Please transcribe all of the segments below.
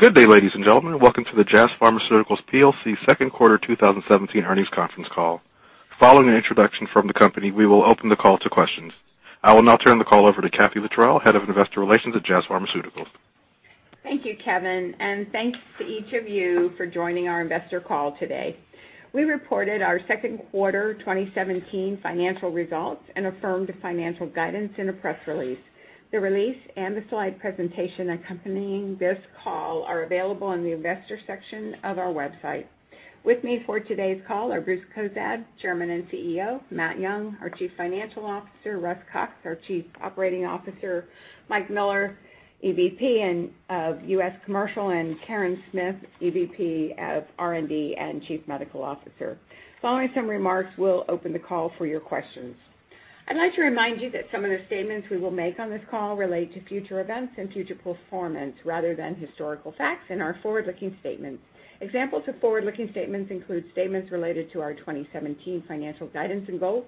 Good day, ladies and gentlemen. Welcome to the Jazz Pharmaceuticals plc second quarter 2017 earnings conference call. Following an introduction from the company, we will open the call to questions. I will now turn the call over to Kathee Littrell, Head of Investor Relations at Jazz Pharmaceuticals. Thank you, Kevin, and thanks to each of you for joining our investor call today. We reported our second quarter 2017 financial results and affirmed financial guidance in a press release. The release and the slide presentation accompanying this call are available in the Investor section of our website. With me for today's call are Bruce Cozadd, Chairman and CEO, Matt Young, our Chief Financial Officer, Russ Cox, our Chief Operating Officer, Mike Miller, EVP of U.S. Commercial, and Karen Smith, EVP of R&D and Chief Medical Officer. Following some remarks, we'll open the call for your questions. I'd like to remind you that some of the statements we will make on this call relate to future events and future performance rather than historical facts and are forward-looking statements. Examples of forward-looking statements include statements related to our 2017 financial guidance and goals,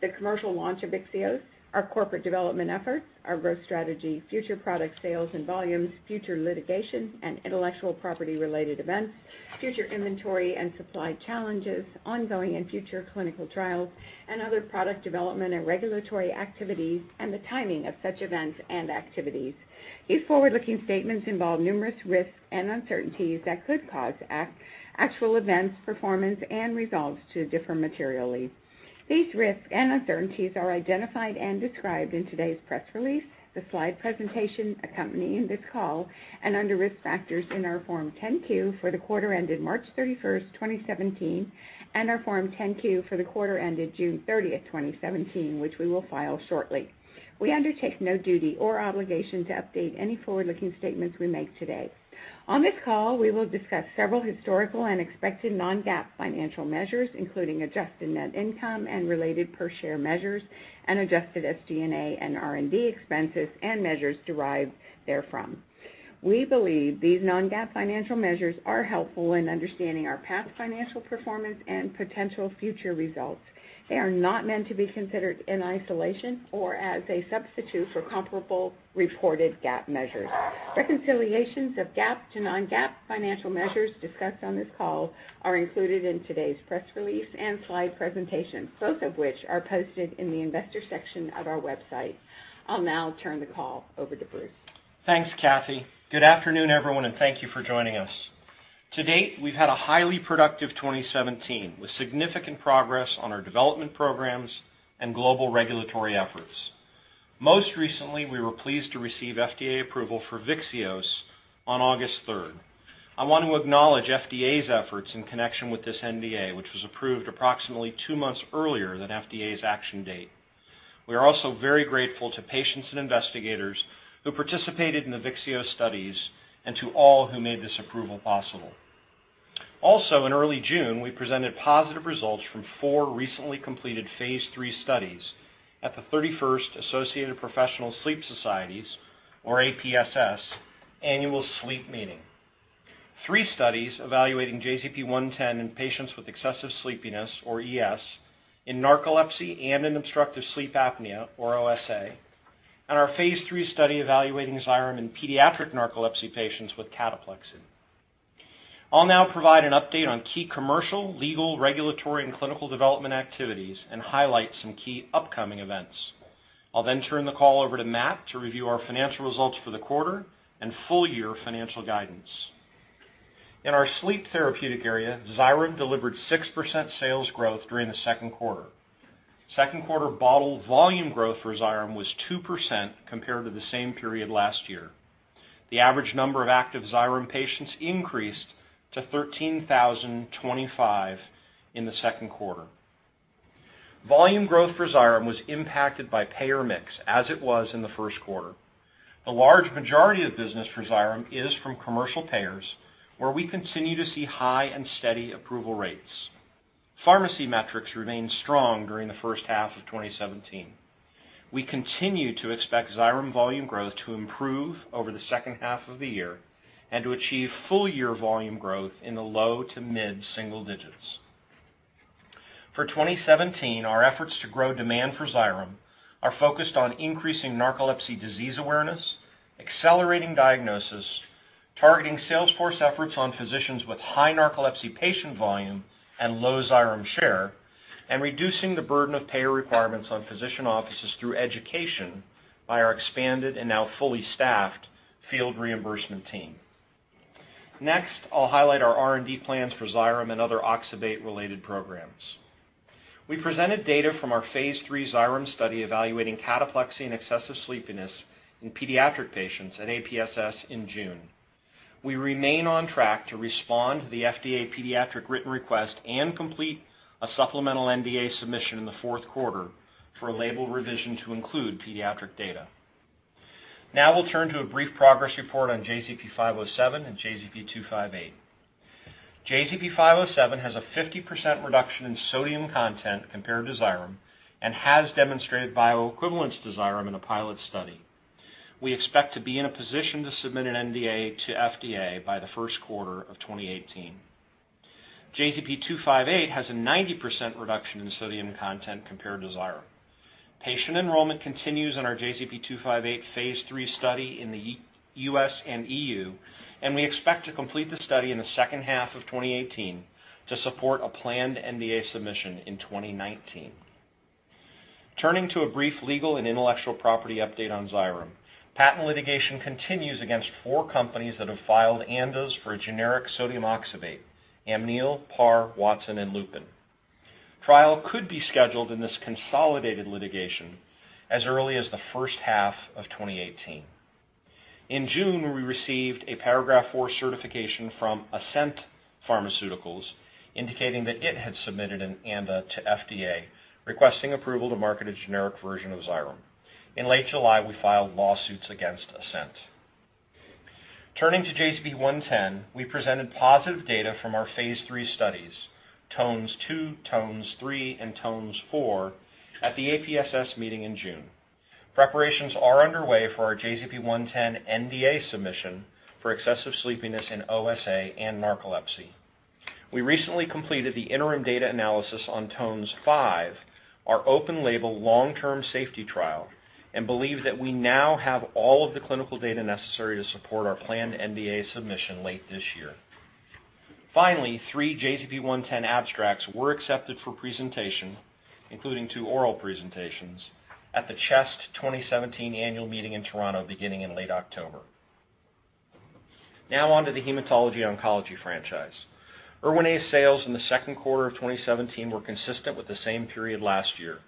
the commercial launch of VYXEOS, our corporate development efforts, our growth strategy, future product sales and volumes, future litigation and intellectual property-related events, future inventory and supply challenges, ongoing and future clinical trials, and other product development and regulatory activities, and the timing of such events and activities. These forward-looking statements involve numerous risks and uncertainties that could cause actual events, performance and results to differ materially. These risks and uncertainties are identified and described in today's press release, the slide presentation accompanying this call, and under Risk Factors in our Form 10-Q for the quarter ended March 31st, 2017, and our Form 10-Q for the quarter ended June 30th, 2017, which we will file shortly. We undertake no duty or obligation to update any forward-looking statements we make today. On this call, we will discuss several historical and expected non-GAAP financial measures, including adjusted net income and related per share measures and adjusted SG&A and R&D expenses and measures derived therefrom. We believe these non-GAAP financial measures are helpful in understanding our past financial performance and potential future results. They are not meant to be considered in isolation or as a substitute for comparable reported GAAP measures. Reconciliations of GAAP to non-GAAP financial measures discussed on this call are included in today's press release and slide presentation, both of which are posted in the Investor section of our website. I'll now turn the call over to Bruce. Thanks, Kathee. Good afternoon, everyone, and thank you for joining us. To date, we've had a highly productive 2017 with significant progress on our development programs and global regulatory efforts. Most recently, we were pleased to receive FDA approval for VYXEOS on August 3rd. I want to acknowledge FDA's efforts in connection with this NDA, which was approved approximately two months earlier than FDA's action date. We are also very grateful to patients and investigators who participated in the VYXEOS studies and to all who made this approval possible. Also, in early June, we presented positive results from four recently completed phase III studies at the 31st Associated Professional Sleep Societies, or APSS, annual SLEEP meeting. Three studies evaluating JZP-110 in patients with excessive sleepiness, or ES, in narcolepsy and in obstructive sleep apnea, or OSA, and our phase III study evaluating Xyrem in pediatric narcolepsy patients with cataplexy. I'll now provide an update on key commercial, legal, regulatory, and clinical development activities and highlight some key upcoming events. I'll then turn the call over to Matt to review our financial results for the quarter and full year financial guidance. In our sleep therapeutic area, Xyrem delivered 6% sales growth during the second quarter. Second quarter bottle volume growth for Xyrem was 2% compared to the same period last year. The average number of active Xyrem patients increased to 13,025 in the second quarter. Volume growth for Xyrem was impacted by payer mix, as it was in the first quarter. The large majority of business for Xyrem is from commercial payers, where we continue to see high and steady approval rates. Pharmacy metrics remained strong during the first half of 2017. We continue to expect Xyrem volume growth to improve over the second half of the year and to achieve full year volume growth in the low to mid-single digits. For 2017, our efforts to grow demand for Xyrem are focused on increasing narcolepsy disease awareness, accelerating diagnosis, targeting sales force efforts on physicians with high narcolepsy patient volume and low Xyrem share, and reducing the burden of payer requirements on physician offices through education by our expanded and now fully staffed field reimbursement team. Next, I'll highlight our R&D plans for Xyrem and other oxybate-related programs. We presented data from our phase III Xyrem study evaluating cataplexy and excessive sleepiness in pediatric patients at APSS in June. We remain on track to respond to the FDA pediatric written request and complete a supplemental NDA submission in the fourth quarter for a label revision to include pediatric data. Now we'll turn to a brief progress report on JZP-507 and JZP-258. JZP-507 has a 50% reduction in sodium content compared to Xyrem and has demonstrated bioequivalence to Xyrem in a pilot study. We expect to be in a position to submit an NDA to FDA by the first quarter of 2018. JZP-258 has a 90% reduction in sodium content compared to Xyrem. Patient enrollment continues on our JZP-258 phase III study in the U.S. and E.U., and we expect to complete the study in the second half of 2018 to support a planned NDA submission in 2019. Turning to a brief legal and intellectual property update on Xyrem. Patent litigation continues against four companies that have filed ANDAs for a generic sodium oxybate, Amneal, Par, Watson, and Lupin. Trial could be scheduled in this consolidated litigation as early as the first half of 2018. In June, we received a Paragraph IV certification from Ascent Pharmaceuticals indicating that it had submitted an ANDA to FDA requesting approval to market a generic version of Xyrem. In late July, we filed lawsuits against Ascent. Turning to JZP-110, we presented positive data from our phase III studies, TONES 2, TONES 3, and TONES 4, at the APSS meeting in June. Preparations are underway for our JZP-110 NDA submission for excessive sleepiness in OSA and narcolepsy. We recently completed the interim data analysis on TONES 5, our open label long-term safety trial, and believe that we now have all of the clinical data necessary to support our planned NDA submission late this year. Finally, three JZP-110 abstracts were accepted for presentation, including two oral presentations, at the CHEST 2017 Annual Meeting in Toronto beginning in late October. Now on to the hematology oncology franchise. Erwinaze sales in the second quarter of 2017 were consistent with the same period last year.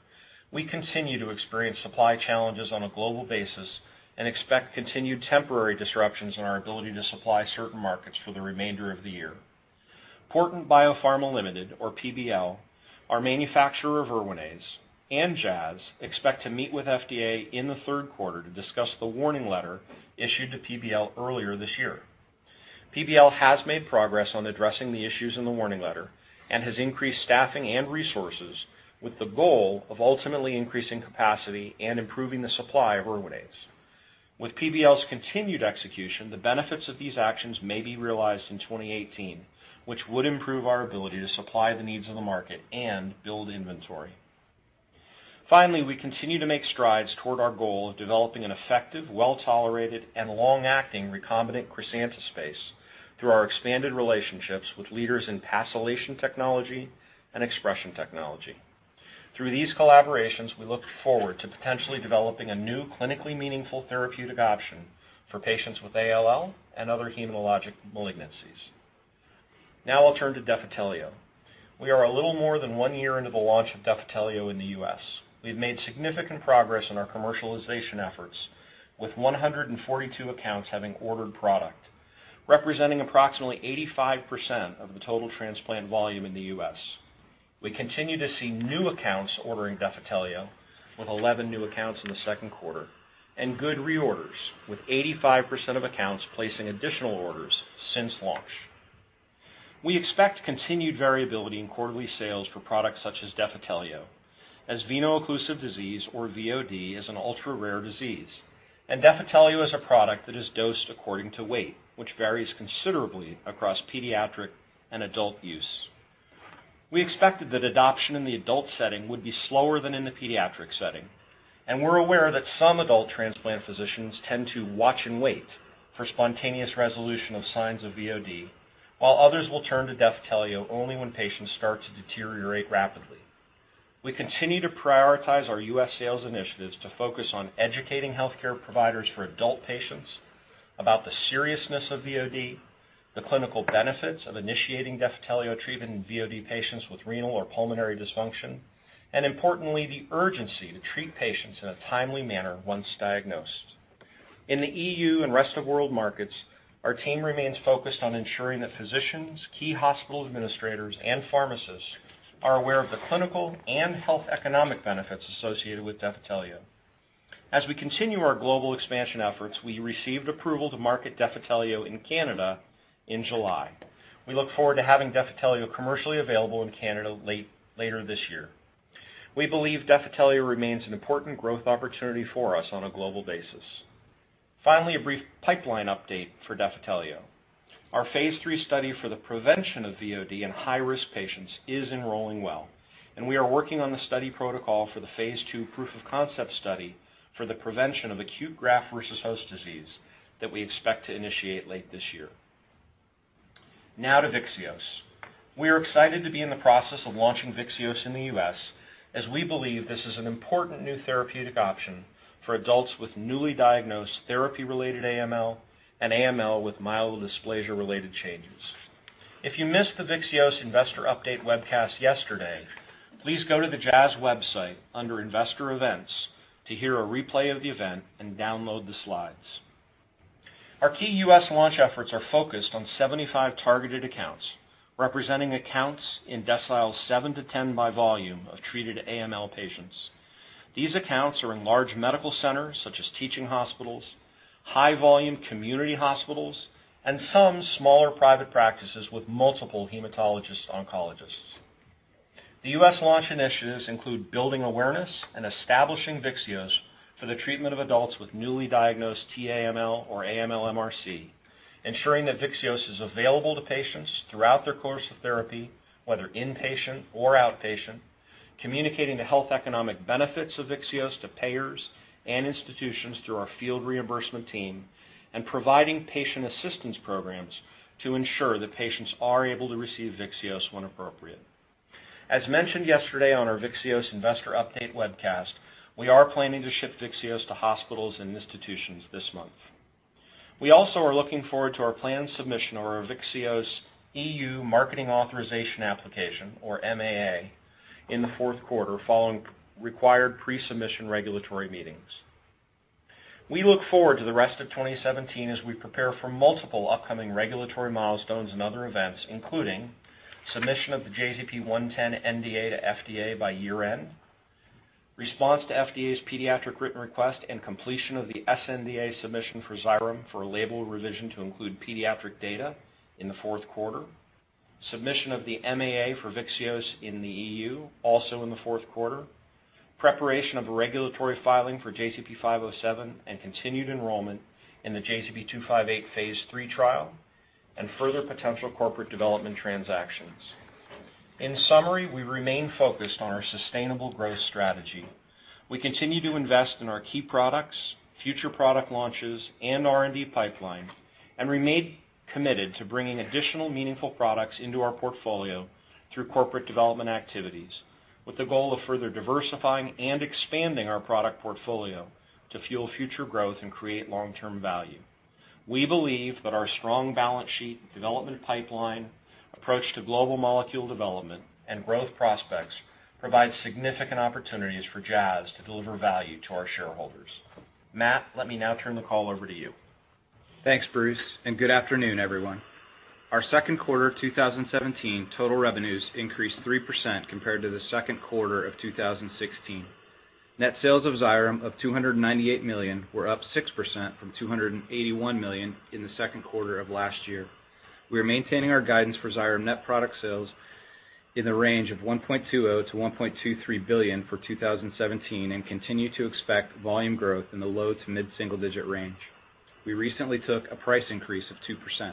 We continue to experience supply challenges on a global basis and expect continued temporary disruptions in our ability to supply certain markets for the remainder of the year. Porton BioPharma Limited, or PBL, our manufacturer of Erwinaze, and Jazz expect to meet with FDA in the third quarter to discuss the warning letter issued to PBL earlier this year. PBL has made progress on addressing the issues in the warning letter and has increased staffing and resources with the goal of ultimately increasing capacity and improving the supply of Erwinaze. With PBL's continued execution, the benefits of these actions may be realized in 2018, which would improve our ability to supply the needs of the market and build inventory. Finally, we continue to make strides toward our goal of developing an effective, well-tolerated, and long-acting recombinant crisantaspase through our expanded relationships with leaders in PASylation technology and expression technology. Through these collaborations, we look forward to potentially developing a new clinically meaningful therapeutic option for patients with ALL and other hematologic malignancies. Now I'll turn to Defitelio. We are a little more than one year into the launch of Defitelio in the U.S. We've made significant progress in our commercialization efforts, with 142 accounts having ordered product, representing approximately 85% of the total transplant volume in the U.S. We continue to see new accounts ordering Defitelio, with 11 new accounts in the second quarter, and good reorders, with 85% of accounts placing additional orders since launch. We expect continued variability in quarterly sales for products such as Defitelio as veno-occlusive disease, or VOD, is an ultra-rare disease, and Defitelio is a product that is dosed according to weight, which varies considerably across pediatric and adult use. We expected that adoption in the adult setting would be slower than in the pediatric setting, and we're aware that some adult transplant physicians tend to watch and wait for spontaneous resolution of signs of VOD, while others will turn to Defitelio only when patients start to deteriorate rapidly. We continue to prioritize our U.S. sales initiatives to focus on educating healthcare providers for adult patients about the seriousness of VOD, the clinical benefits of initiating Defitelio treatment in VOD patients with renal or pulmonary dysfunction, and importantly, the urgency to treat patients in a timely manner once diagnosed. In the E.U. and rest of world markets, our team remains focused on ensuring that physicians, key hospital administrators, and pharmacists are aware of the clinical and health economic benefits associated with Defitelio. As we continue our global expansion efforts, we received approval to market Defitelio in Canada in July. We look forward to having Defitelio commercially available in Canada later this year. We believe Defitelio remains an important growth opportunity for us on a global basis. Finally, a brief pipeline update for Defitelio. Our phase III study for the prevention of VOD in high-risk patients is enrolling well, and we are working on the study protocol for the phase II proof of concept study for the prevention of acute graft-versus-host disease that we expect to initiate late this year. Now to VYXEOS. We are excited to be in the process of launching VYXEOS in the U.S. as we believe this is an important new therapeutic option for adults with newly diagnosed therapy-related AML and AML with myelodysplasia-related changes. If you missed the VYXEOS investor update webcast yesterday, please go to the Jazz website under Investor Events to hear a replay of the event and download the slides. Our key U.S. launch efforts are focused on 75 targeted accounts, representing accounts in deciles 7-10 by volume of treated AML patients. These accounts are in large medical centers, such as teaching hospitals, high-volume community hospitals, and some smaller private practices with multiple hematologist oncologists. The U.S. launch initiatives include building awareness and establishing VYXEOS for the treatment of adults with newly diagnosed t-AML or AML-MRC, ensuring that VYXEOS is available to patients throughout their course of therapy, whether inpatient or outpatient, communicating the health economic benefits of VYXEOS to payers and institutions through our field reimbursement team, and providing patient assistance programs to ensure that patients are able to receive VYXEOS when appropriate. As mentioned yesterday on our VYXEOS investor update webcast, we are planning to ship VYXEOS to hospitals and institutions this month. We also are looking forward to our planned submission of our VYXEOS E.U. Marketing Authorization Application, or MAA, in the fourth quarter, following required pre-submission regulatory meetings. We look forward to the rest of 2017 as we prepare for multiple upcoming regulatory milestones and other events, including submission of the JZP-110 NDA to FDA by year-end, response to FDA's pediatric written request and completion of the sNDA submission for Xyrem for a label revision to include pediatric data in the fourth quarter, submission of the MAA for VYXEOS in the E.U., also in the fourth quarter, preparation of a regulatory filing for JZP-507 and continued enrollment in the JZP-258 phase III trial, and further potential corporate development transactions. In summary, we remain focused on our sustainable growth strategy. We continue to invest in our key products, future product launches, and R&D pipeline, and remain committed to bringing additional meaningful products into our portfolio through corporate development activities with the goal of further diversifying and expanding our product portfolio to fuel future growth and create long-term value. We believe that our strong balance sheet, development pipeline, approach to global molecule development and growth prospects provide significant opportunities for Jazz to deliver value to our shareholders. Matt, let me now turn the call over to you. Thanks, Bruce, and good afternoon, everyone. Our second quarter of 2017 total revenues increased 3% compared to the second quarter of 2016. Net sales of Xyrem of $298 million were up 6% from $281 million in the second quarter of last year. We are maintaining our guidance for Xyrem net product sales in the range of $1.20-$1.23 billion for 2017 and continue to expect volume growth in the low to mid-single-digit range. We recently took a price increase of 2%.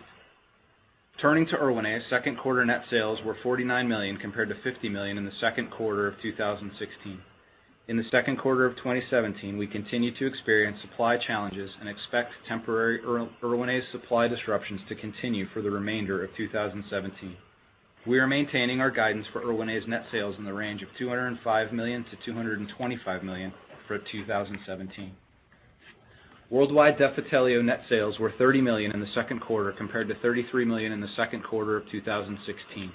Turning to Erwinaze, second quarter net sales were $49 million compared to $50 million in the second quarter of 2016. In the second quarter of 2017, we continued to experience supply challenges and expect temporary Erwinaze supply disruptions to continue for the remainder of 2017. We are maintaining our guidance for Erwinaze net sales in the range of $205 million-$225 million for 2017. Worldwide Defitelio net sales were $30 million in the second quarter, compared to $33 million in the second quarter of 2016.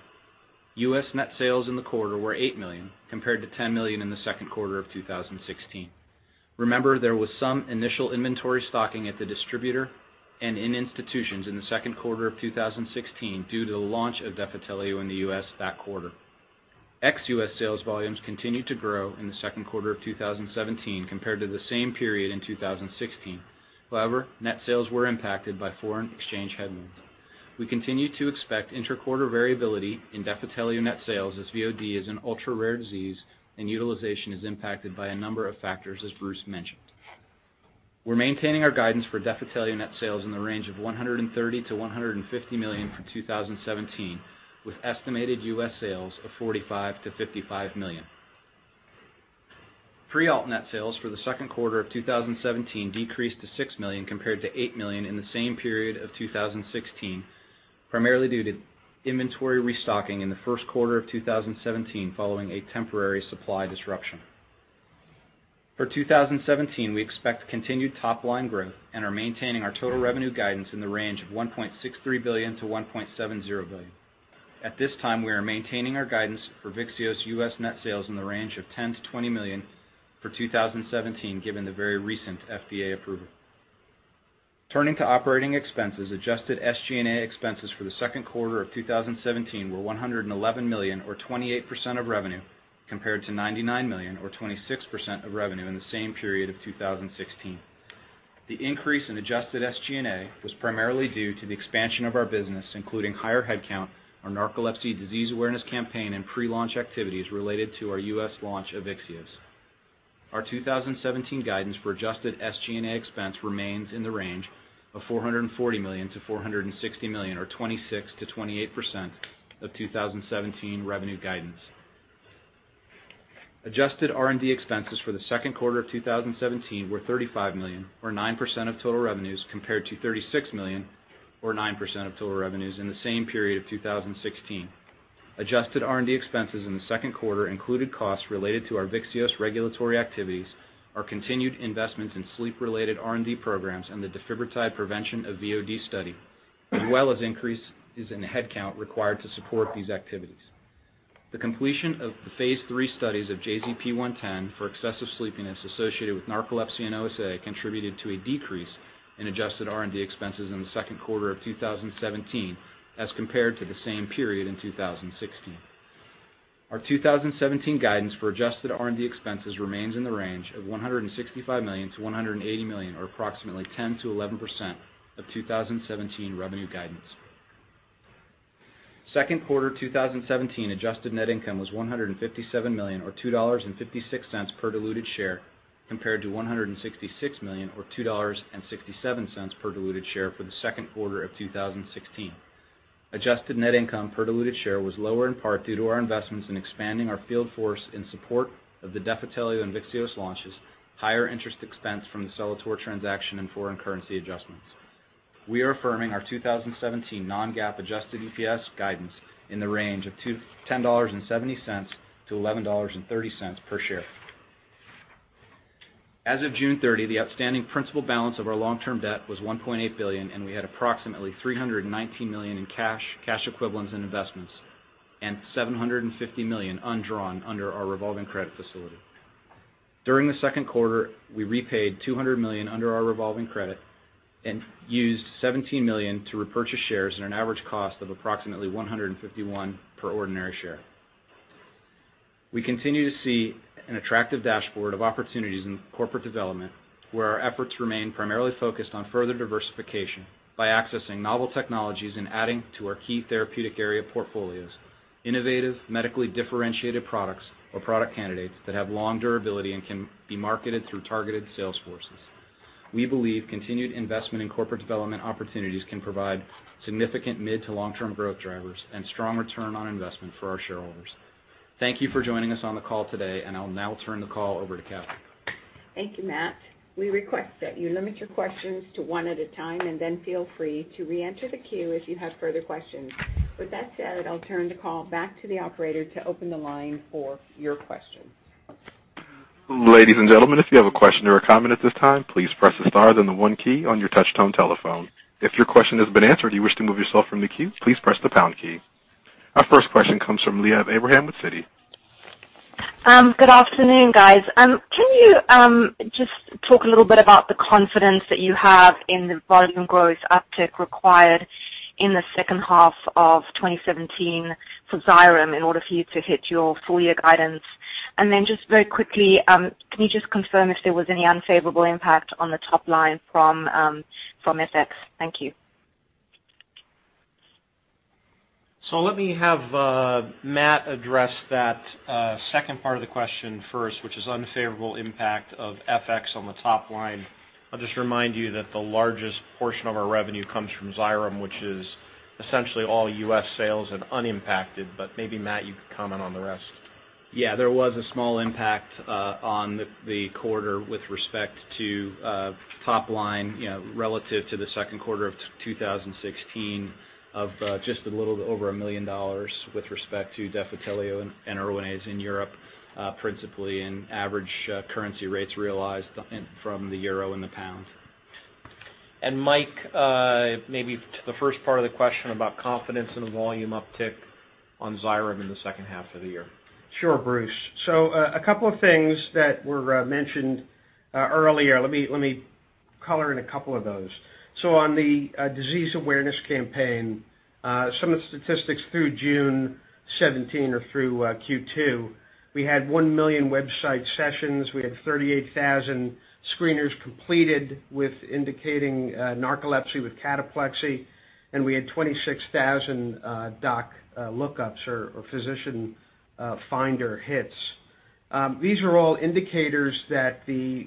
U.S. net sales in the quarter were $8 million, compared to $10 million in the second quarter of 2016. Remember, there was some initial inventory stocking at the distributor and in institutions in the second quarter of 2016 due to the launch of Defitelio in the U.S. that quarter. Ex-U.S. sales volumes continued to grow in the second quarter of 2017 compared to the same period in 2016. However, net sales were impacted by foreign exchange headwinds. We continue to expect intraquarter variability in Defitelio net sales as VOD is an ultra-rare disease and utilization is impacted by a number of factors, as Bruce mentioned. We're maintaining our guidance for Defitelio net sales in the range of $130 million-$150 million for 2017, with estimated U.S. sales of $45 million-$55 million. Erwinaze net sales for the second quarter of 2017 decreased to $6 million compared to $8 million in the same period of 2016, primarily due to inventory restocking in the first quarter of 2017 following a temporary supply disruption. For 2017, we expect continued top line growth and are maintaining our total revenue guidance in the range of $1.63 billion-$1.70 billion. At this time, we are maintaining our guidance for VYXEOS U.S. net sales in the range of $10 million-$20 million for 2017, given the very recent FDA approval. Turning to operating expenses, adjusted SG&A expenses for the second quarter of 2017 were $111 million or 28% of revenue, compared to $99 million or 26% of revenue in the same period of 2016. The increase in adjusted SG&A was primarily due to the expansion of our business, including higher headcount, our narcolepsy disease awareness campaign and pre-launch activities related to our U.S. launch of VYXEOS. Our 2017 guidance for adjusted SG&A expense remains in the range of $440 million-$460 million, or 26%-28% of 2017 revenue guidance. Adjusted R&D expenses for the second quarter of 2017 were $35 million or 9% of total revenues, compared to $36 million or 9% of total revenues in the same period of 2016. Adjusted R&D expenses in the second quarter included costs related to our VYXEOS regulatory activities, our continued investments in sleep-related R&D programs and the Defibrotide prevention of VOD study, as well as increases in headcount required to support these activities. The completion of the phase III studies of JZP-110 for excessive sleepiness associated with narcolepsy and OSA contributed to a decrease in adjusted R&D expenses in the second quarter of 2017 as compared to the same period in 2016. Our 2017 guidance for adjusted R&D expenses remains in the range of $165 million-$180 million, or approximately 10%-11% of 2017 revenue guidance. Second quarter 2017 adjusted net income was $157 million or $2.56 per diluted share compared to $166 million or $2.67 per diluted share for the second quarter of 2016. Adjusted net income per diluted share was lower in part due to our investments in expanding our field force in support of the Defitelio and VYXEOS launches, higher interest expense from the Celator transaction and foreign currency adjustments. We are affirming our 2017 non-GAAP adjusted EPS guidance in the range of $2.10-$11.30 per share. As of June 30, the outstanding principal balance of our long-term debt was $1.8 billion, and we had approximately $319 million in cash, cash equivalents, and investments, and $750 million undrawn under our revolving credit facility. During the second quarter, we repaid $200 million under our revolving credit and used $17 million to repurchase shares at an average cost of approximately $151 per ordinary share. We continue to see an attractive dashboard of opportunities in corporate development, where our efforts remain primarily focused on further diversification by accessing novel technologies and adding to our key therapeutic area portfolios, innovative, medically differentiated products or product candidates that have long durability and can be marketed through targeted sales forces. We believe continued investment in corporate development opportunities can provide significant mid to long-term growth drivers and strong return on investment for our shareholders. Thank you for joining us on the call today, and I'll now turn the call over to Kathee. Thank you, Matt. We request that you limit your questions to one at a time, and then feel free to reenter the queue if you have further questions. With that said, I'll turn the call back to the operator to open the line for your questions. Ladies and gentlemen, if you have a question or a comment at this time, please press the star then the one key on your touchtone telephone. If your question has been answered or you wish to move yourself from the queue, please press the pound key. Our first question comes from Liav Abraham with Citi. Good afternoon, guys. Can you just talk a little bit about the confidence that you have in the volume growth uptick required in the second half of 2017 for Xyrem in order for you to hit your full year guidance? Just very quickly, can you just confirm if there was any unfavorable impact on the top line from FX? Thank you. Let me have Matt address that second part of the question first, which is unfavorable impact of FX on the top line. I'll just remind you that the largest portion of our revenue comes from Xyrem, which is essentially all U.S. sales and unimpacted. Maybe Matt, you could comment on the rest. Yeah, there was a small impact on the quarter with respect to top line, you know, relative to the second quarter of 2016 of just a little over $1 million with respect to Defitelio and Erwinaze in Europe, principally in average currency rates realized in the euro and the pound. Mike, maybe to the first part of the question about confidence in the volume uptick on Xyrem in the second half of the year. Sure, Bruce. A couple of things that were mentioned earlier. Let me color in a couple of those. On the disease awareness campaign, some of the statistics through June 2017 or through Q2, we had 1 million website sessions. We had 38,000 screeners completed, indicating narcolepsy with cataplexy, and we had 26,000 doc lookups or physician finder hits. These are all indicators that the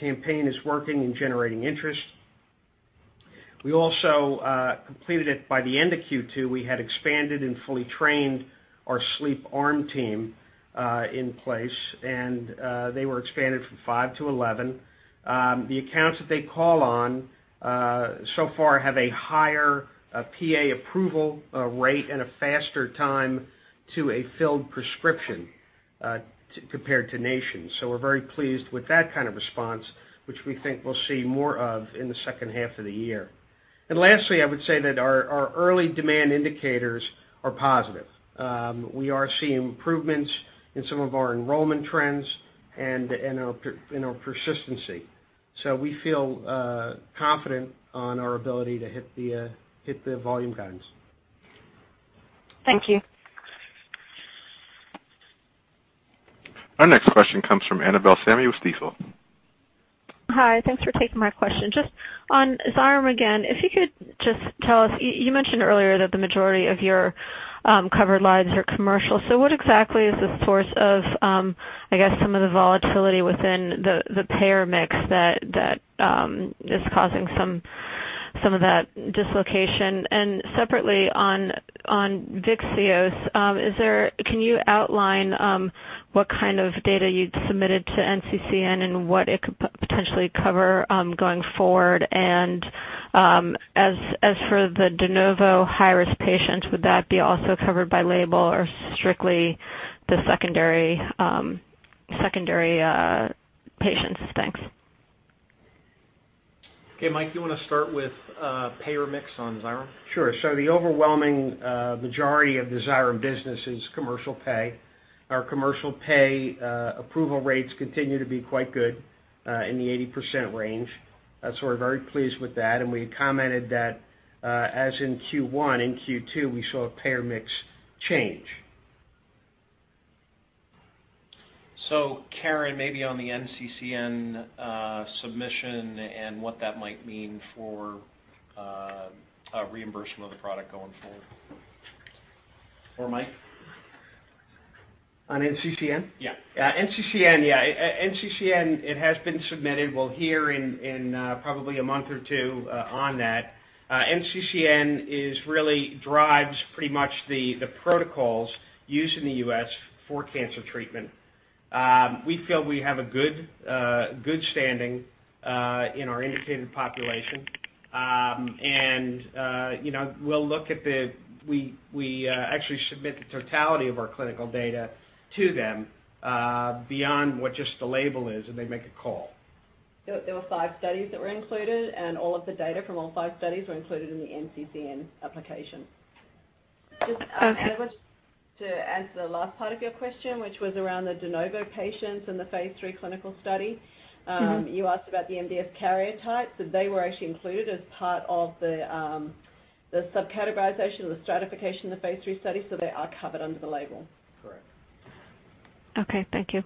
campaign is working and generating interest. We also completed it by the end of Q2. We had expanded and fully trained our sleep arm team in place, and they were expanded from five to 11. The accounts that they call on so far have a higher PA approval rate and a faster time to a filled prescription compared to national. We're very pleased with that kind of response, which we think we'll see more of in the second half of the year. Lastly, I would say that our early demand indicators are positive. We are seeing improvements in some of our enrollment trends and in our persistency. We feel confident on our ability to hit the volume guidance. Thank you. Our next question comes from Annabel Samimy with Stifel. Hi. Thanks for taking my question. Just on Xyrem again, if you could just tell us, you mentioned earlier that the majority of your covered lives are commercial. So what exactly is the source of, I guess, some of the volatility within the payer mix that is causing some of that dislocation? And separately on VYXEOS, can you outline what kind of data you'd submitted to NCCN and what it could potentially cover going forward? And, as for the de novo high-risk patients, would that be also covered by label or strictly the secondary patients? Thanks. Okay, Mike, do you wanna start with payer mix on Xyrem? Sure. The overwhelming majority of the Xyrem business is commercial pay. Our commercial pay approval rates continue to be quite good in the 80% range. We're very pleased with that, and we had commented that, as in Q1, in Q2, we saw a payer mix change. Karen, maybe on the NCCN submission and what that might mean for a reimbursement of the product going forward. Or Mike. On NCCN? Yeah. Yeah, NCCN, yeah. NCCN, it has been submitted. We'll hear probably a month or two on that. NCCN really drives pretty much the protocols used in the U.S. for cancer treatment. We feel we have a good standing in our indicated population. You know, we actually submit the totality of our clinical data to them beyond what just the label is, and they make a call. There were five studies that were included, and all of the data from all five studies were included in the NCCN application. Okay. Just, I wish to add to the last part of your question, which was around the de novo patients in the phase III clinical study. You asked about the MDS karyotypes, that they were actually included as part of the sub-categorization or the stratification of the phase III study, so they are covered under the label. Correct. Okay, thank you.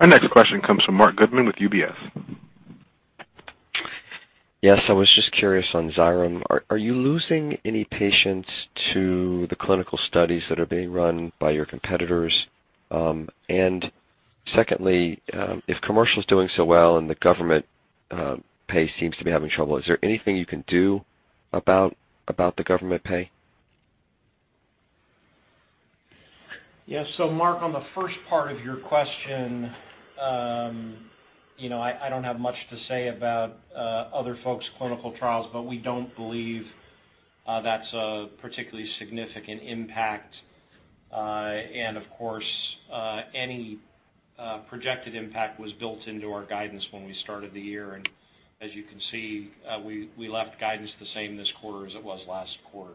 Our next question comes from Marc Goodman with UBS. Yes, I was just curious on Xyrem. Are you losing any patients to the clinical studies that are being run by your competitors? Secondly, if commercial is doing so well and the government pay seems to be having trouble, is there anything you can do about the government pay? Yeah. Marc, on the first part of your question, you know, I don't have much to say about other folks' clinical trials, but we don't believe that's a particularly significant impact. Of course, any projected impact was built into our guidance when we started the year. As you can see, we left guidance the same this quarter as it was last quarter.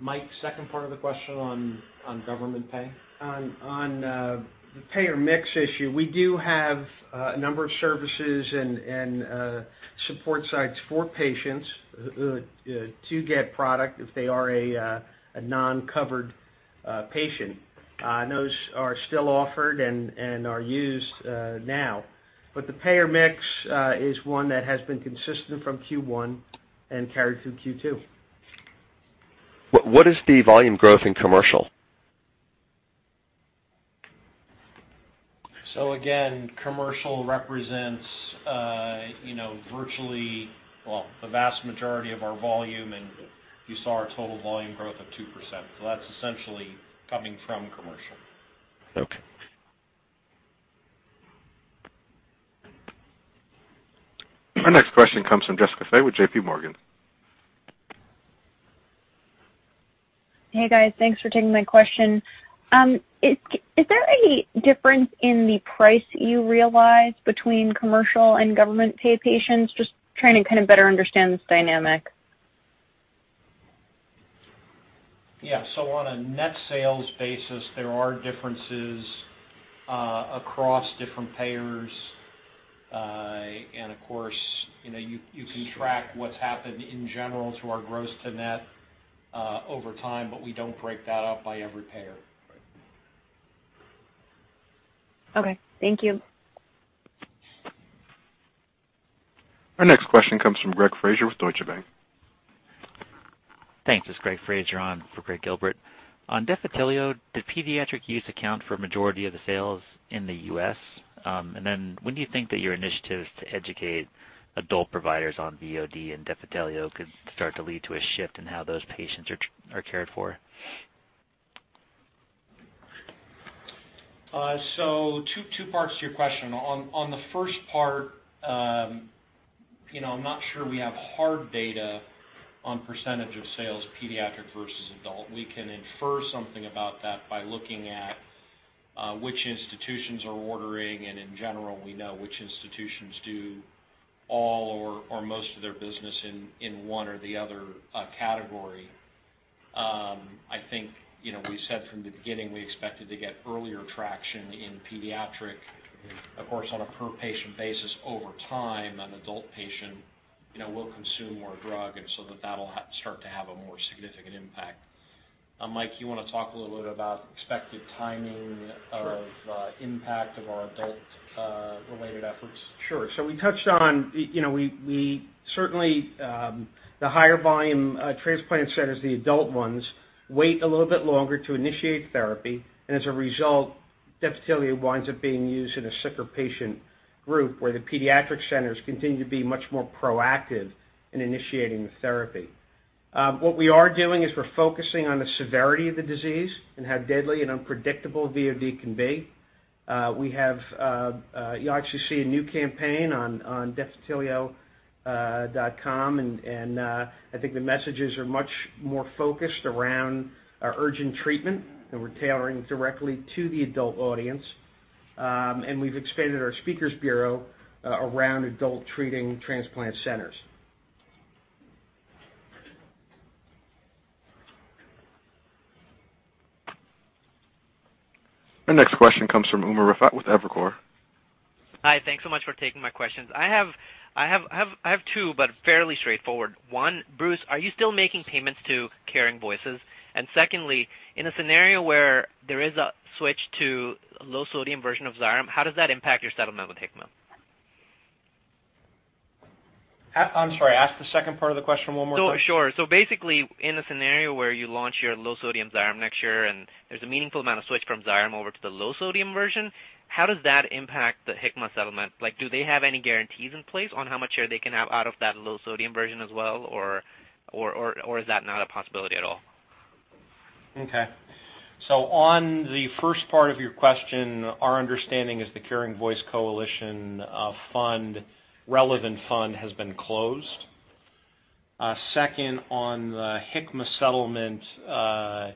Mike, second part of the question on government pay. The payer mix issue, we do have a number of services and support sites for patients who to get product if they are a non-covered patient. Those are still offered and are used now. The payer mix is one that has been consistent from Q1 and carried through Q2. What is the volume growth in commercial? Again, commercial represents, you know, virtually, well, the vast majority of our volume, and you saw our total volume growth of 2%. That's essentially coming from commercial. Okay. Our next question comes from Jessica Fye with JPMorgan. Hey, guys. Thanks for taking my question. Is there any difference in the price you realize between commercial and government pay patients? Just trying to kind of better understand this dynamic. Yeah. On a net sales basis, there are differences across different payers. Of course, you know, you can track what's happened in general through our gross to net over time, but we don't break that up by every payer. Okay, thank you. Our next question comes from Greg Fraser with Deutsche Bank. Thanks. It's Greg Fraser on for Gregg Gilbert. On Defitelio, did pediatric use account for majority of the sales in the U.S.? When do you think that your initiatives to educate adult providers on VOD and Defitelio could start to lead to a shift in how those patients are cared for? Two parts to your question. On the first part, you know, I'm not sure we have hard data on percentage of sales pediatric versus adult. We can infer something about that by looking at which institutions are ordering, and in general, we know which institutions do all or most of their business in one or the other category. I think, you know, we said from the beginning we expected to get earlier traction in pediatric. Of course, on a per patient basis over time, an adult patient, you know, will consume more drug and so that'll start to have a more significant impact. Mike, you wanna talk a little bit about expected timing of impact of our adult related efforts? Sure. We touched on, you know, we certainly the higher volume transplant centers, the adult ones, wait a little bit longer to initiate therapy, and as a result, Defitelio winds up being used in a sicker patient group where the pediatric centers continue to be much more proactive in initiating the therapy. What we are doing is we're focusing on the severity of the disease and how deadly and unpredictable VOD can be. You'll actually see a new campaign on defitelio.com, and I think the messages are much more focused around our urgent treatment, and we're tailoring directly to the adult audience. We've expanded our speakers bureau around adult treating transplant centers. Our next question comes from Umer Raffat with Evercore. Hi, thanks so much for taking my questions. I have two, but fairly straightforward. One, Bruce, are you still making payments to Caring Voices? Secondly, in a scenario where there is a switch to low-sodium version of Xyrem, how does that impact your settlement with Hikma? I'm sorry, ask the second part of the question one more time. Sure. Basically, in a scenario where you launch your low-sodium Xyrem next year, and there's a meaningful amount of switch from Xyrem over to the low-sodium version, how does that impact the Hikma settlement? Like, do they have any guarantees in place on how much share they can have out of that low-sodium version as well or is that not a possibility at all? Okay. On the first part of your question, our understanding is the Caring Voice Coalition fund, relevant fund has been closed. Second, on the Hikma settlement, you know,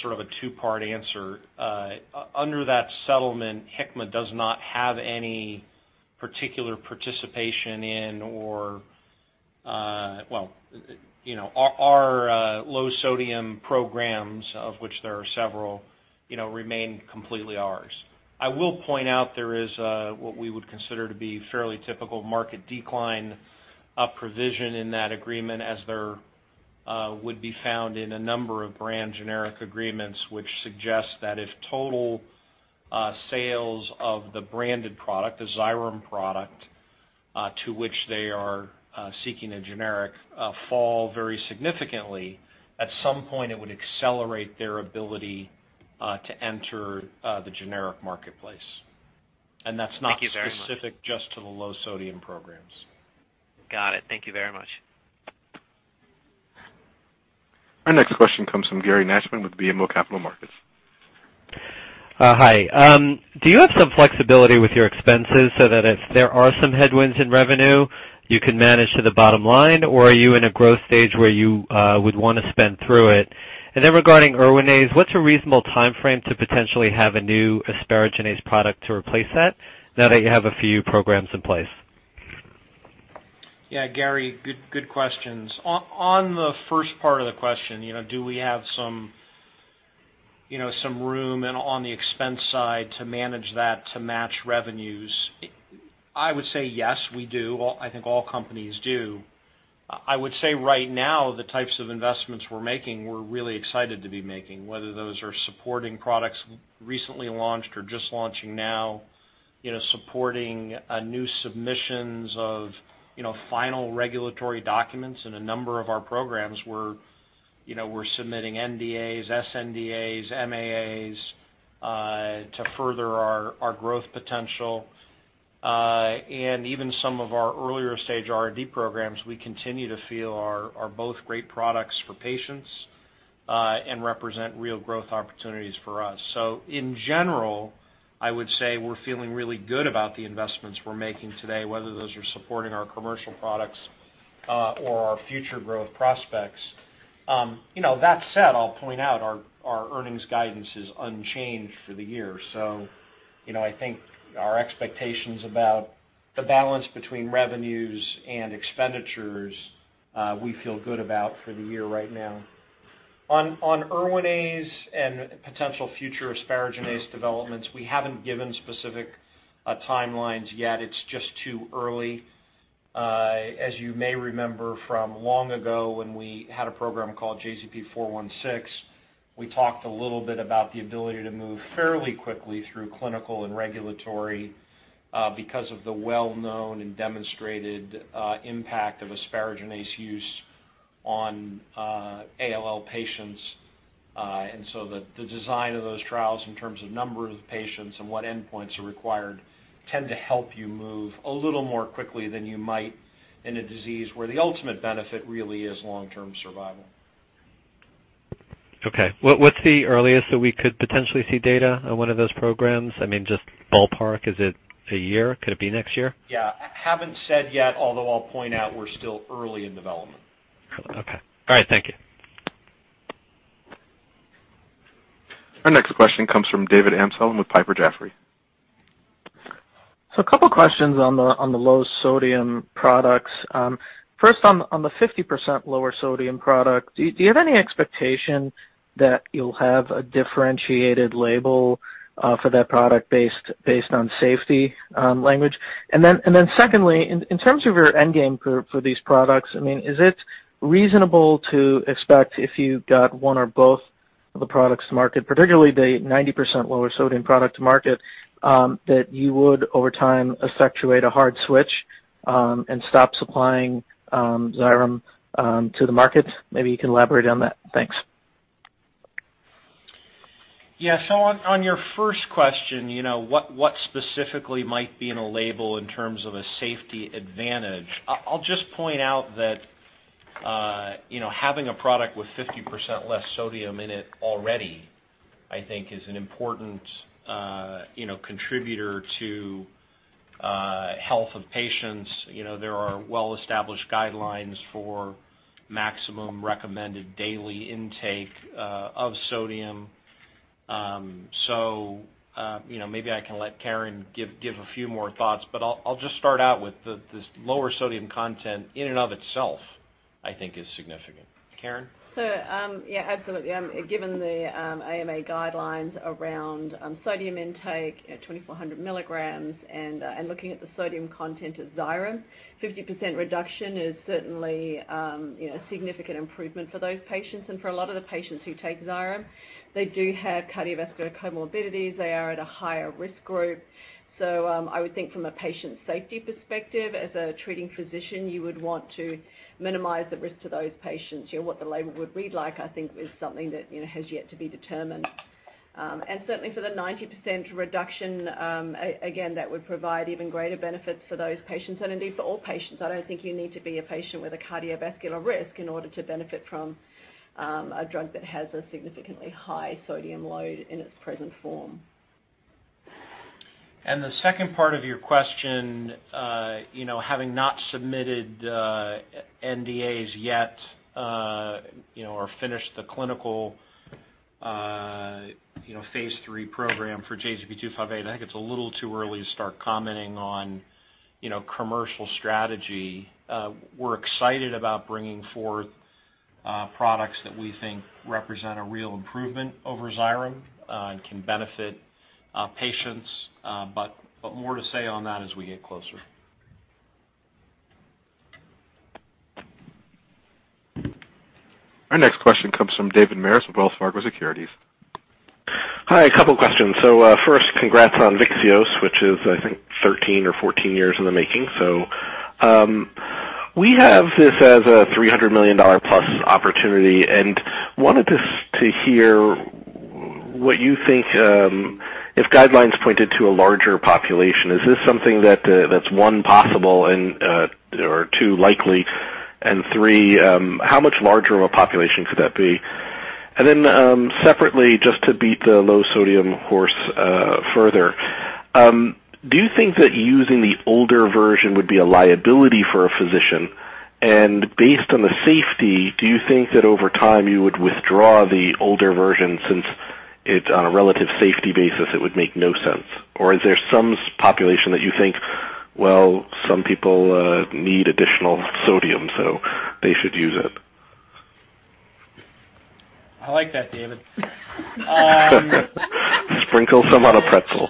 sort of a two-part answer. Under that settlement, Hikma does not have any particular participation in or, well, you know, our low-sodium programs, of which there are several, you know, remain completely ours. I will point out there is what we would consider to be fairly typical market decline provision in that agreement as there would be found in a number of brand generic agreements, which suggests that if total sales of the branded product, the Xyrem product, to which they are seeking a generic, fall very significantly, at some point it would accelerate their ability to enter the generic marketplace. Thank you very much. Specific just to the low-sodium programs. Got it. Thank you very much. Our next question comes from Gary Nachman with BMO Capital Markets. Hi. Do you have some flexibility with your expenses so that if there are some headwinds in revenue, you can manage to the bottom line? Or are you in a growth stage where you would want to spend through it? Regarding Erwinaze, what's a reasonable timeframe to potentially have a new asparaginase product to replace that now that you have a few programs in place? Yeah, Gary, good questions. On the first part of the question, you know, do we have some room and on the expense side to manage that to match revenues? I would say, yes, we do. I think all companies do. I would say right now, the types of investments we're making, we're really excited to be making, whether those are supporting products recently launched or just launching now, you know, supporting new submissions of final regulatory documents in a number of our programs where, you know, we're submitting NDAs, sNDAs, MAAs to further our growth potential. Even some of our earlier stage R&D programs, we continue to feel are both great products for patients and represent real growth opportunities for us. In general, I would say we're feeling really good about the investments we're making today, whether those are supporting our commercial products or our future growth prospects. You know, that said, I'll point out our earnings guidance is unchanged for the year. You know, I think our expectations about the balance between revenues and expenditures, we feel good about for the year right now. On Erwinaze and potential future asparaginase developments, we haven't given specific timelines yet. It's just too early. As you may remember from long ago when we had a program called JZP-416, we talked a little bit about the ability to move fairly quickly through clinical and regulatory because of the well-known and demonstrated impact of asparaginase use on ALL patients. The design of those trials in terms of number of patients and what endpoints are required tend to help you move a little more quickly than you might in a disease where the ultimate benefit really is long-term survival. Okay. What's the earliest that we could potentially see data on one of those programs? I mean, just ballpark, is it a year? Could it be next year? Yeah. Haven't said yet, although I'll point out we're still early in development. Okay. All right. Thank you. Our next question comes from David Amsellem with Piper Jaffray. A couple questions on the low-sodium products. First on the 50% lower sodium product, do you have any expectation that you'll have a differentiated label for that product based on safety language? And then secondly, in terms of your end game for these products, I mean, is it reasonable to expect if you got one or both of the products to market, particularly the 90% lower sodium product to market, that you would over time effectuate a hard switch and stop supplying Xyrem to the market? Maybe you can elaborate on that. Thanks. Yeah. On your first question, you know, what specifically might be in a label in terms of a safety advantage, I'll just point out that, you know, having a product with 50% less sodium in it already, I think is an important, you know, contributor to health of patients. You know, there are well-established guidelines for maximum recommended daily intake of sodium. So, you know, maybe I can let Karen give a few more thoughts, but I'll just start out with this lower sodium content in and of itself. I think is significant. Karen? Yeah, absolutely. Given the AMA guidelines around sodium intake at 2,400 mg and looking at the sodium content of Xyrem, 50% reduction is certainly, you know, a significant improvement for those patients. For a lot of the patients who take Xyrem, they do have cardiovascular comorbidities. They are at a higher risk group. I would think from a patient safety perspective, as a treating physician, you would want to minimize the risk to those patients. You know, what the label would read like, I think is something that, you know, has yet to be determined. Certainly for the 90% reduction, again, that would provide even greater benefits for those patients and indeed for all patients. I don't think you need to be a patient with a cardiovascular risk in order to benefit from a drug that has a significantly high sodium load in its present form. The second part of your question, you know, having not submitted NDAs yet, you know, or finished the clinical, you know, phase III program for JZP-258, I think it's a little too early to start commenting on, you know, commercial strategy. We're excited about bringing forth products that we think represent a real improvement over Xyrem and can benefit patients. But more to say on that as we get closer. Our next question comes from David Maris with Wells Fargo Securities. Hi, a couple questions. First, congrats on VYXEOS, which is, I think, 13 or 14 years in the making. We have this as a $300 million-plus opportunity and wanted to to hear what you think, if guidelines pointed to a larger population, is this something that's, one, possible and, or two, likely, and three, how much larger of a population could that be? And then, separately, just to beat the low-sodium horse, further, do you think that using the older version would be a liability for a physician? And based on the safety, do you think that over time you would withdraw the older version since it, on a relative safety basis, it would make no sense? Is there some population that you think, well, some people, need additional sodium, so they should use it? I like that, David. Sprinkle some on a pretzel.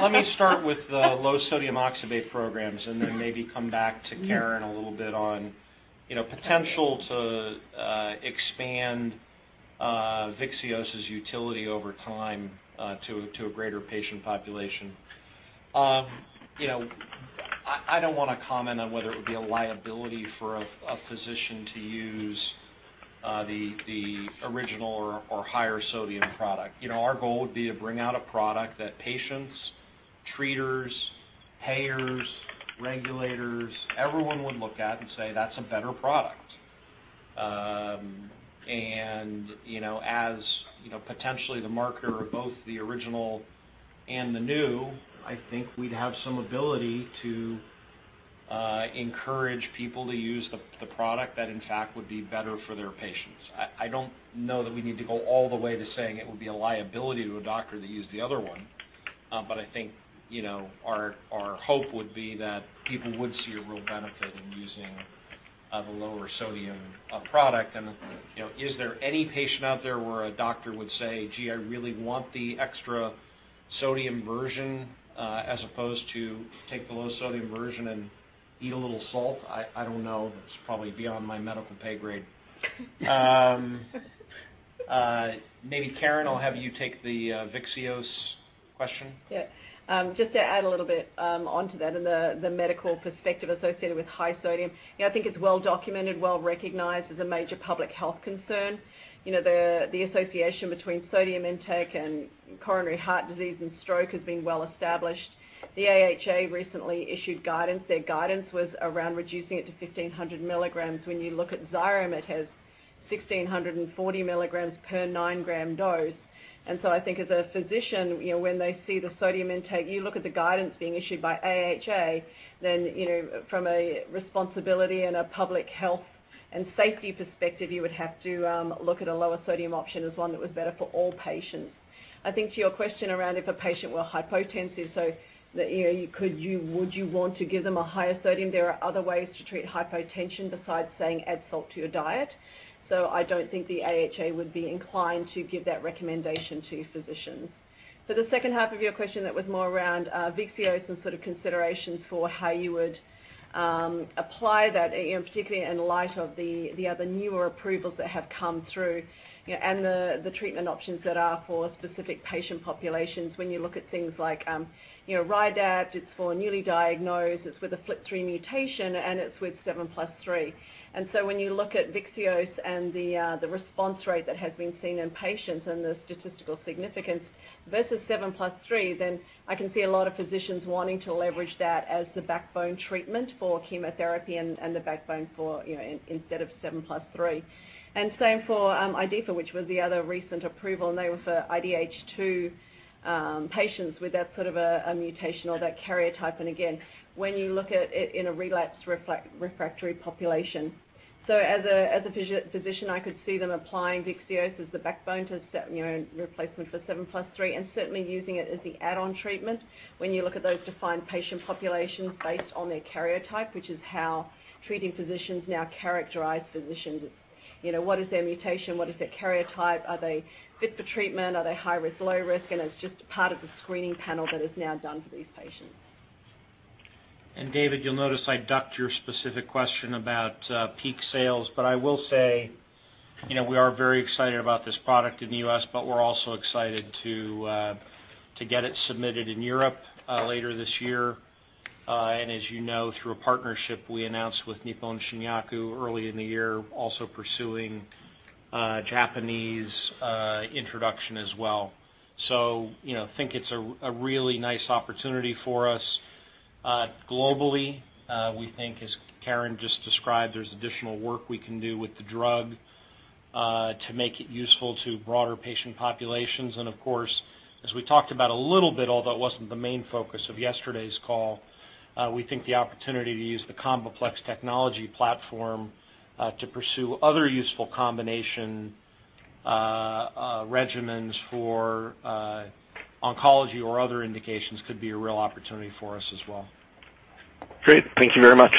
Let me start with the low-sodium oxybate programs and then maybe come back to Karen a little bit on, you know, potential to expand VYXEOS' utility over time to a greater patient population. You know, I don't wanna comment on whether it would be a liability for a physician to use the original or higher sodium product. You know, our goal would be to bring out a product that patients, treaters, payers, regulators, everyone would look at and say, "That's a better product." You know, as you know, potentially the marketer of both the original and the new, I think we'd have some ability to encourage people to use the product that in fact would be better for their patients. I don't know that we need to go all the way to saying it would be a liability to a doctor to use the other one. I think, you know, our hope would be that people would see a real benefit in using the lower sodium product. You know, is there any patient out there where a doctor would say, "Gee, I really want the extra sodium version as opposed to take the low-sodium version and eat a little salt"? I don't know. That's probably beyond my medical pay grade. Maybe Karen, I'll have you take the VYXEOS question. Yeah. Just to add a little bit onto that and the medical perspective associated with high sodium. You know, I think it's well documented, well recognized as a major public health concern. You know, the association between sodium intake and coronary heart disease and stroke has been well established. The AHA recently issued guidance. Their guidance was around reducing it to 1,500 mg. When you look at Xyrem, it has 1,640 mg per 9 g dose. I think as a physician, you know, when they see the sodium intake, you look at the guidance being issued by AHA, then, you know, from a responsibility and a public health and safety perspective, you would have to look at a lower sodium option as one that was better for all patients. I think to your question around if a patient were hypotensive, could you, would you want to give them a higher sodium? There are other ways to treat hypotension besides saying, add salt to your diet. I don't think the AHA would be inclined to give that recommendation to physicians. For the second half of your question that was more around VYXEOS and sort of considerations for how you would apply that, you know, particularly in light of the other newer approvals that have come through, you know, and the treatment options that are for specific patient populations. When you look at things like Rydapt, it's for newly diagnosed, it's with a FLT3 mutation, and it's with 7+3. When you look at VYXEOS and the response rate that has been seen in patients and the statistical significance versus 7+3, then I can see a lot of physicians wanting to leverage that as the backbone treatment for chemotherapy and the backbone for, you know, instead of 7+3. Same for IDHIFA, which was the other recent approval, and they were for IDH2 patients with that sort of a mutation or that karyotype. Again, when you look at it in a relapsed refractory population, as a physician, I could see them applying VYXEOS as the backbone to set, you know, replacement for 7+3, and certainly using it as the add-on treatment when you look at those defined patient populations based on their karyotype, which is how treating physicians now characterize patients. You know, what is their mutation? What is their karyotype? Are they fit for treatment? Are they high risk, low risk? It's just part of the screening panel that is now done for these patients. David, you'll notice I ducked your specific question about peak sales, but I will say, you know, we are very excited about this product in the U.S., but we're also excited to get it submitted in Europe later this year. As you know, through a partnership we announced with Nippon Shinyaku early in the year, also pursuing Japanese introduction as well. You know, think it's a really nice opportunity for us. Globally, we think, as Karen just described, there's additional work we can do with the drug to make it useful to broader patient populations. Of course, as we talked about a little bit, although it wasn't the main focus of yesterday's call, we think the opportunity to use the CombiPlex technology platform to pursue other useful combination regimens for oncology or other indications could be a real opportunity for us as well. Great. Thank you very much.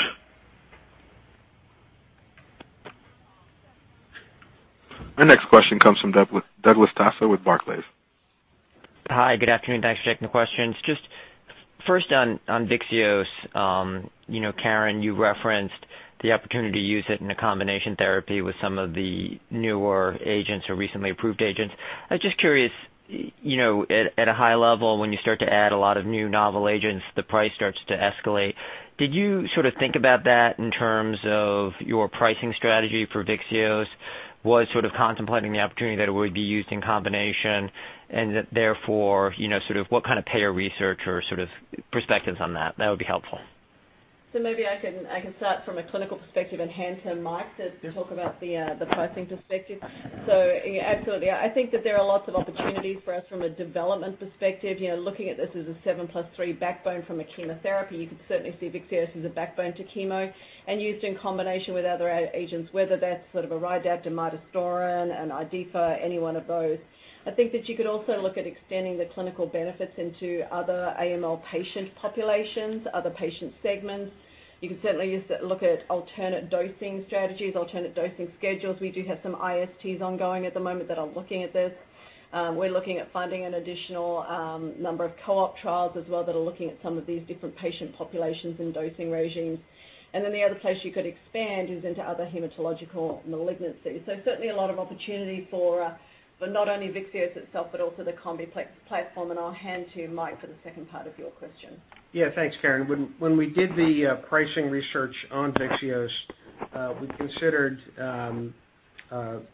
Our next question comes from Douglas Tsao with Barclays. Hi. Good afternoon. Thanks for taking the questions. Just first on VYXEOS. You know, Karen, you referenced the opportunity to use it in a combination therapy with some of the newer agents or recently approved agents. I'm just curious, you know, at a high level, when you start to add a lot of new novel agents, the price starts to escalate. Did you sort of think about that in terms of your pricing strategy for VYXEOS? Was sort of contemplating the opportunity that it would be used in combination and therefore, you know, sort of what kind of payer research or sort of perspectives on that? That would be helpful. Maybe I can start from a clinical perspective and hand to Mike to talk about the pricing perspective. Absolutely. I think that there are lots of opportunities for us from a development perspective. You know, looking at this as a 7+3 backbone for chemotherapy, you could certainly see VYXEOS as a backbone to chemo and used in combination with other agents, whether that's sort of a Rydapt, a midostaurin, an IDHIFA, any one of those. I think that you could also look at extending the clinical benefits into other AML patient populations, other patient segments. You can certainly use it. Look at alternate dosing strategies, alternate dosing schedules. We do have some ISTs ongoing at the moment that are looking at this. We're looking at funding an additional number of co-op trials as well that are looking at some of these different patient populations and dosing regimes. Then the other place you could expand is into other hematological malignancies. Certainly a lot of opportunity for not only VYXEOS itself, but also the CombiPlex platform. I'll hand to Mike for the second part of your question. Yeah. Thanks, Karen. When we did the pricing research on VYXEOS, we considered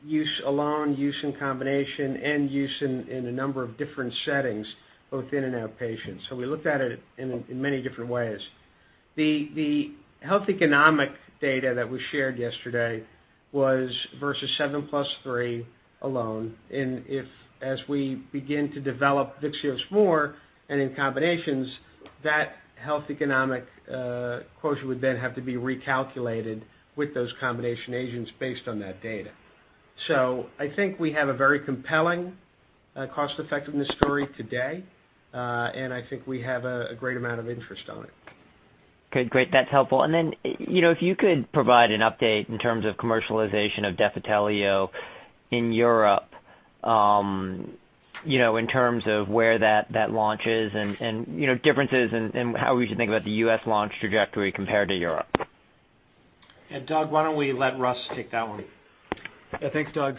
use alone, use in combination, and use in a number of different settings, both inpatient and outpatient. We looked at it in many different ways. The health economic data that we shared yesterday was versus 7+3 alone as we begin to develop VYXEOS more and in combinations, that health economic quotient would then have to be recalculated with those combination agents based on that data. I think we have a very compelling cost-effectiveness story today, and I think we have a great amount of interest in it. Okay, great. That's helpful. You know, if you could provide an update in terms of commercialization of Defitelio in Europe, you know, in terms of where that launch is and, you know, differences in how we should think about the U.S. launch trajectory compared to Europe. Doug, why don't we let Russ take that one? Yeah. Thanks, Doug.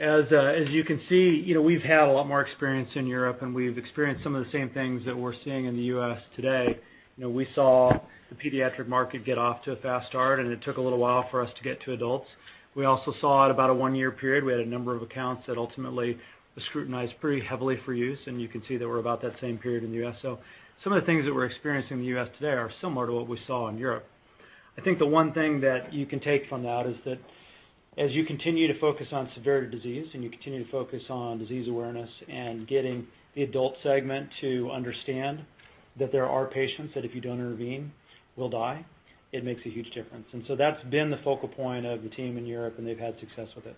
As you can see, you know, we've had a lot more experience in Europe, and we've experienced some of the same things that we're seeing in the U.S. today. You know, we saw the pediatric market get off to a fast start, and it took a little while for us to get to adults. We also saw at about a one-year period, we had a number of accounts that ultimately were scrutinized pretty heavily for use, and you can see that we're about that same period in the U.S. Some of the things that we're experiencing in the U.S. today are similar to what we saw in Europe. I think the one thing that you can take from that is that as you continue to focus on severity of disease and you continue to focus on disease awareness and getting the adult segment to understand that there are patients that if you don't intervene, will die, it makes a huge difference. That's been the focal point of the team in Europe, and they've had success with it.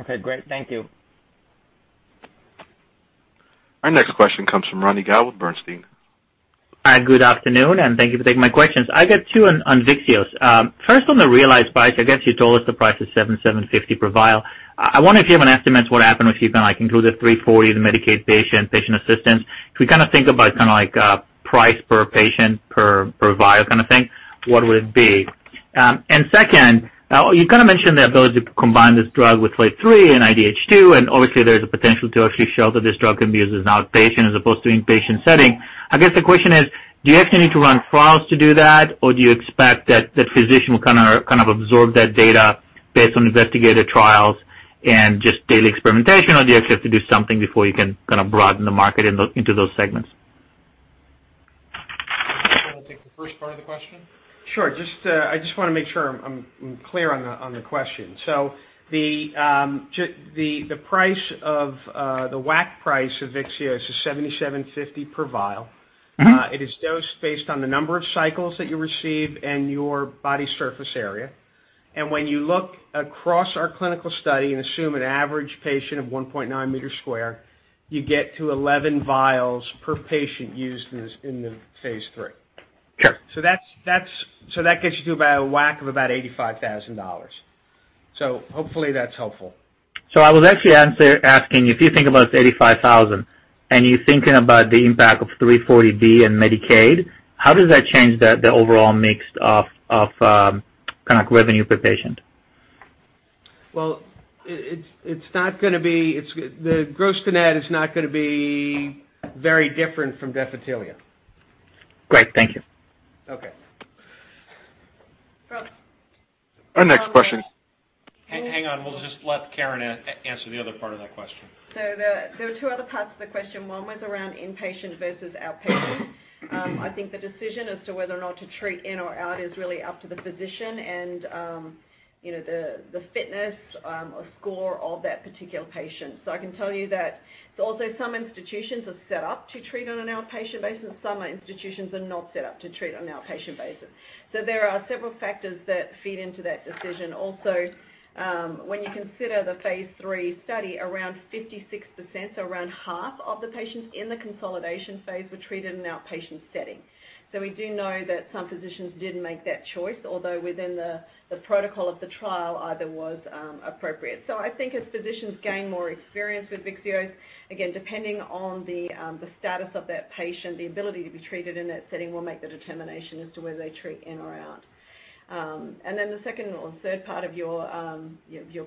Okay, great. Thank you. Our next question comes from Ronny Gal with Bernstein. Hi. Good afternoon, and thank you for taking my questions. I got two on VYXEOS. First on the realized price, I guess you told us the price is $750 per vial. I wonder if you have an estimate what would happen if you can like include the 340B, the Medicaid patient assistance. If we kinda think about kinda like price per patient, per vial kinda thing, what would it be? And second, you kinda mentioned the ability to combine this drug with FLT3 and IDH2, and obviously there's a potential to actually show that this drug can be used as an outpatient as opposed to inpatient setting. I guess the question is, do you actually need to run trials to do that, or do you expect that the physician will kind of absorb that data based on investigative trials and just daily experimentation, or do you actually have to do something before you can kinda broaden the market into those segments? Mike, wanna take the first part of the question? Sure. I just wanna make sure I'm clear on the question. The WAC price of VYXEOS is $7,750 per vial. It is dosed based on the number of cycles that you receive and your body surface area. When you look across our clinical study and assume an average patient of 1.9 meter square, you get to 11 vials per patient used in the phase III. Yeah. That's. That gets you to about a WAC of about $85,000. Hopefully that's helpful. I was actually asking, if you think about $85,000 and you're thinking about the impact of 340B and Medicaid, how does that change the overall mix of kind of revenue per patient? Well, the gross to net is not gonna be very different from Defitelio. Great. Thank you. Okay. Our next question. Hang on. We'll just let Karen answer the other part of that question. There were two other parts to the question. One was around inpatient versus outpatient. I think the decision as to whether or not to treat in or out is really up to the physician and, you know, the fitness or score of that particular patient. I can tell you that also some institutions are set up to treat on an outpatient basis, some institutions are not set up to treat on an outpatient basis. There are several factors that feed into that decision. Also, when you consider the phase III study, around 56%, so around half of the patients in the consolidation phase were treated in an outpatient setting. We do know that some physicians did make that choice, although within the protocol of the trial, either was appropriate. I think as physicians gain more experience with VYXEOS, again, depending on the status of that patient, the ability to be treated in that setting will make the determination as to whether they treat in or out. The second or third part of your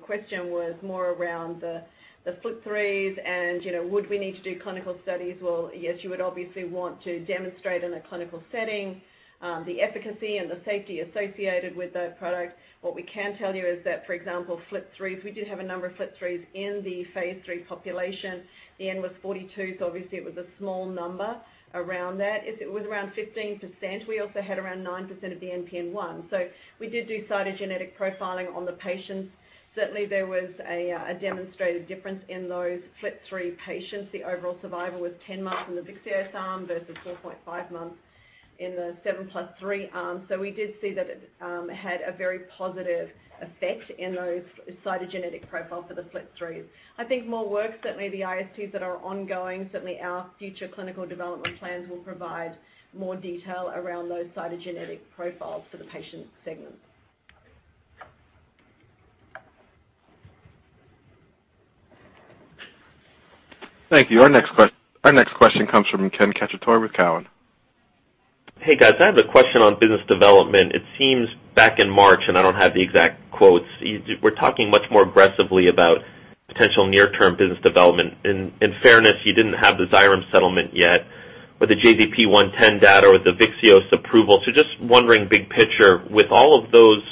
question was more around the FLT3s and, you know, would we need to do clinical studies? Well, yes, you would obviously want to demonstrate in a clinical setting the efficacy and the safety associated with that product. What we can tell you is that, for example, FLT3, we did have a number of FLT3s in the phase III population. The N was 42, so obviously it was a small number around that. It was around 15%. We also had around 9% of the NPM1. We did do cytogenetic profiling on the patients. Certainly, there was a demonstrated difference in those FLT3 patients. The overall survival was 10 months in the VYXEOS arm versus 4.5 months in the 7+3 arm. We did see that it had a very positive effect in those cytogenetic profile for the FLT3. I think more work, certainly the ISTs that are ongoing, certainly our future clinical development plans will provide more detail around those cytogenetic profiles for the patient segments. Thank you. Our next question comes from Ken Cacciatore with Cowen. Hey, guys. I have a question on business development. It seems back in March, and I don't have the exact quotes, you were talking much more aggressively about potential near-term business development. In fairness, you didn't have the Xyrem settlement yet with the JZP-110 data or the VYXEOS approval. So just wondering, big picture, with all of those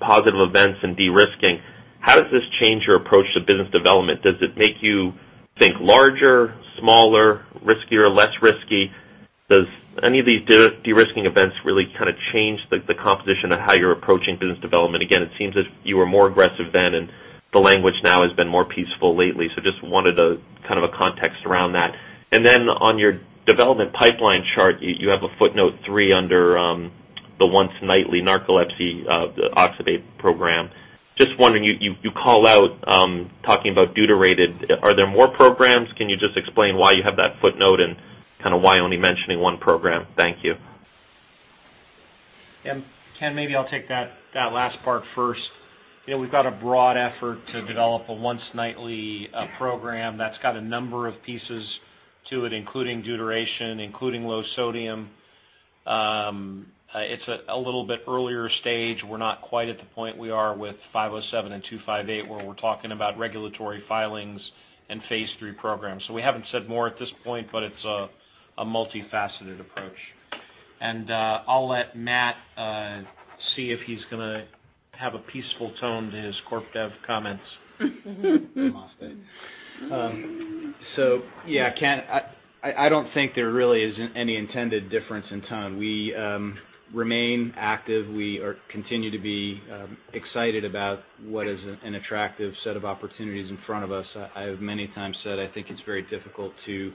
positive events and de-risking, how does this change your approach to business development? Does it make you think larger, smaller, riskier, less risky? Does any of these de-risking events really kind of change the composition of how you're approaching business development? Again, it seems as you were more aggressive then, and the language now has been more peaceful lately. So just wanted a kind of a context around that. Then on your development pipeline chart, you have a footnote three under the once nightly narcolepsy, the oxybate program. Just wondering, you call out, talking about deuterated. Are there more programs? Can you just explain why you have that footnote and kind of why only mentioning one program? Thank you. Yeah. Ken, maybe I'll take that last part first. You know, we've got a broad effort to develop a once nightly program that's got a number of pieces to it, including deuteration, including low-sodium. It's a little bit earlier stage. We're not quite at the point we are with JZP-507 and JZP-258, where we're talking about regulatory filings and phase III programs. We haven't said more at this point, but it's a multifaceted approach. I'll let Matt see if he's gonna have a peaceful tone to his corp dev comments. I lost it. Yeah, Ken, I don't think there really is any intended difference in tone. We remain active. We continue to be excited about what is an attractive set of opportunities in front of us. I have many times said I think it's very difficult to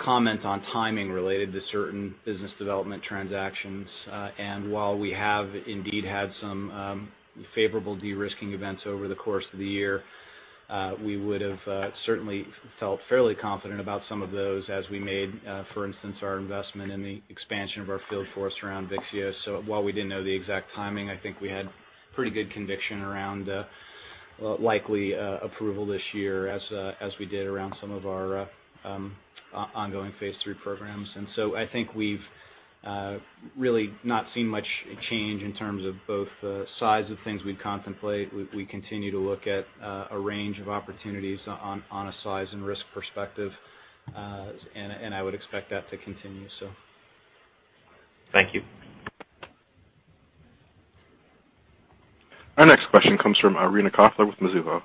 comment on timing related to certain business development transactions. While we have indeed had some favorable de-risking events over the course of the year, we would have certainly felt fairly confident about some of those as we made, for instance, our investment in the expansion of our field force around VYXEOS. While we didn't know the exact timing, I think we had pretty good conviction around likely approval this year as we did around some of our ongoing phase III programs. I think we've really not seen much change in terms of both size of things we contemplate. We continue to look at a range of opportunities on a size and risk perspective. I would expect that to continue. Thank you. Our next question comes from Irina Koffler with Mizuho.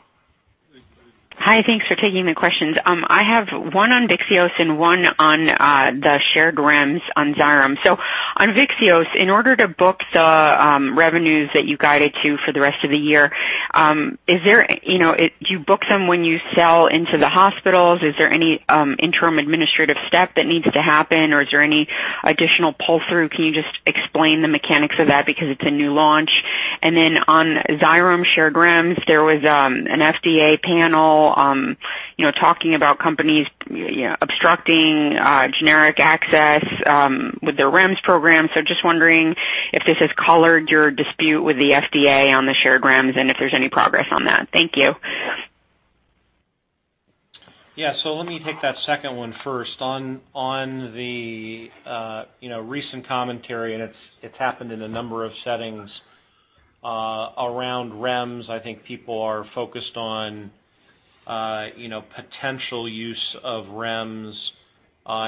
Hi. Thanks for taking the questions. I have one on VYXEOS and one on the shared REMS on Xyrem. On VYXEOS, in order to book the revenues that you guided to for the rest of the year, is there, you know, do you book them when you sell into the hospitals? Is there any interim administrative step that needs to happen, or is there any additional pull-through? Can you just explain the mechanics of that because it's a new launch? On Xyrem shared REMS, there was an FDA panel, you know, talking about companies, you know, obstructing generic access with their REMS program. Just wondering if this has colored your dispute with the FDA on the shared REMS, and if there's any progress on that. Thank you. Yeah. Let me take that second one first. On the you know recent commentary, and it's happened in a number of settings around REMS, I think people are focused on you know potential use of REMS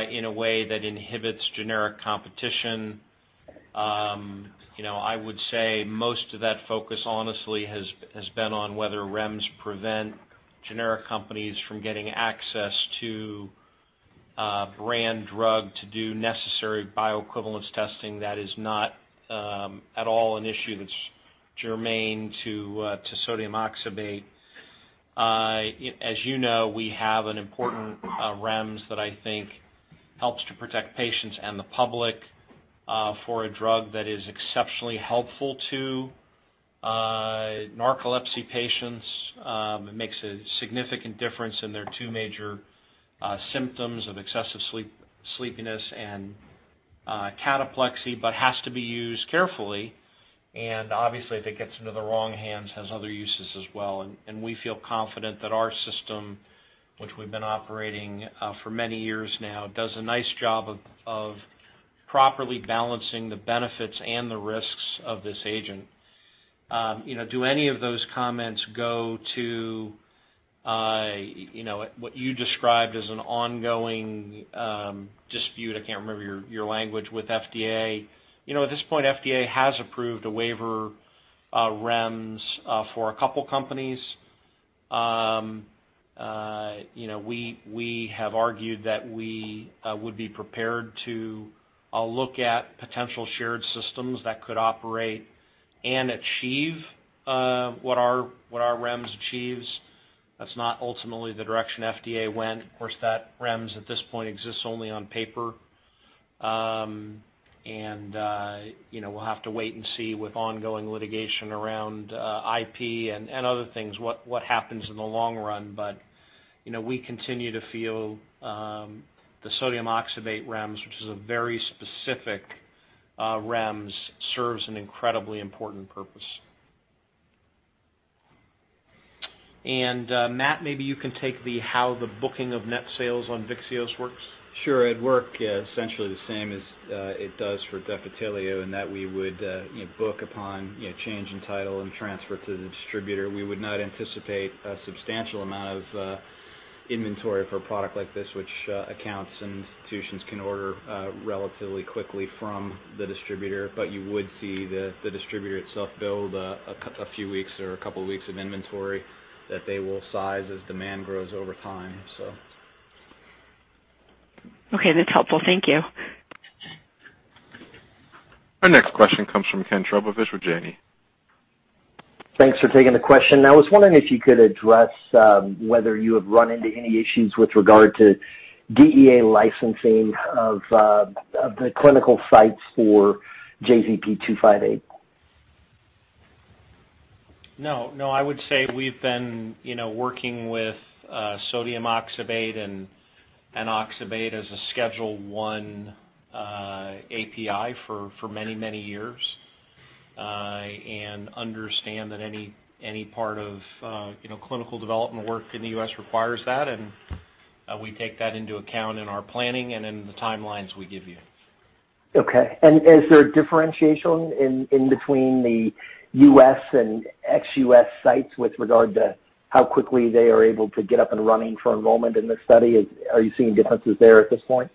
in a way that inhibits generic competition. You know, I would say most of that focus honestly has been on whether REMS prevent generic companies from getting access to brand drug to do necessary bioequivalence testing. That is not at all an issue that's germane to sodium oxybate. As you know, we have an important REMS that I think helps to protect patients and the public for a drug that is exceptionally helpful to narcolepsy patients. It makes a significant difference in their two major symptoms of excessive sleepiness and cataplexy, but has to be used carefully, and obviously, if it gets into the wrong hands, has other uses as well. We feel confident that our system, which we've been operating for many years now, does a nice job of properly balancing the benefits and the risks of this agent. You know, do any of those comments go to you know, what you described as an ongoing dispute, I can't remember your language, with FDA. You know, at this point, FDA has approved a waiver REMS for a couple companies. You know, we have argued that we would be prepared to look at potential shared systems that could operate and achieve what our REMS achieves. That's not ultimately the direction FDA went. Of course, that REMS at this point exists only on paper. You know, we'll have to wait and see with ongoing litigation around IP and other things, what happens in the long run. You know, we continue to feel the sodium oxybate REMS, which is a very specific REMS, serves an incredibly important purpose. Matt, maybe you can take the how the booking of net sales on VYXEOS works. Sure. It'd work essentially the same as it does for Defitelio, in that we would, you know, book upon, you know, change in title and transfer to the distributor. We would not anticipate a substantial amount of inventory for a product like this, which accounts and institutions can order relatively quickly from the distributor. But you would see the distributor itself build a few weeks or a couple of weeks of inventory that they will size as demand grows over time, so. Okay, that's helpful. Thank you. Our next question comes from Ken Trbovich with Janney. Thanks for taking the question. I was wondering if you could address whether you have run into any issues with regard to DEA licensing of the clinical sites for JZP-258. No, no. I would say we've been, you know, working with sodium oxybate and oxybate as a Schedule I API for many, many years. Understand that any part of, you know, clinical development work in the U.S. requires that, and we take that into account in our planning and in the timelines we give you. Okay. Is there differentiation in between the U.S. and ex-U.S. sites with regard to how quickly they are able to get up and running for enrollment in this study? Are you seeing differences there at this point?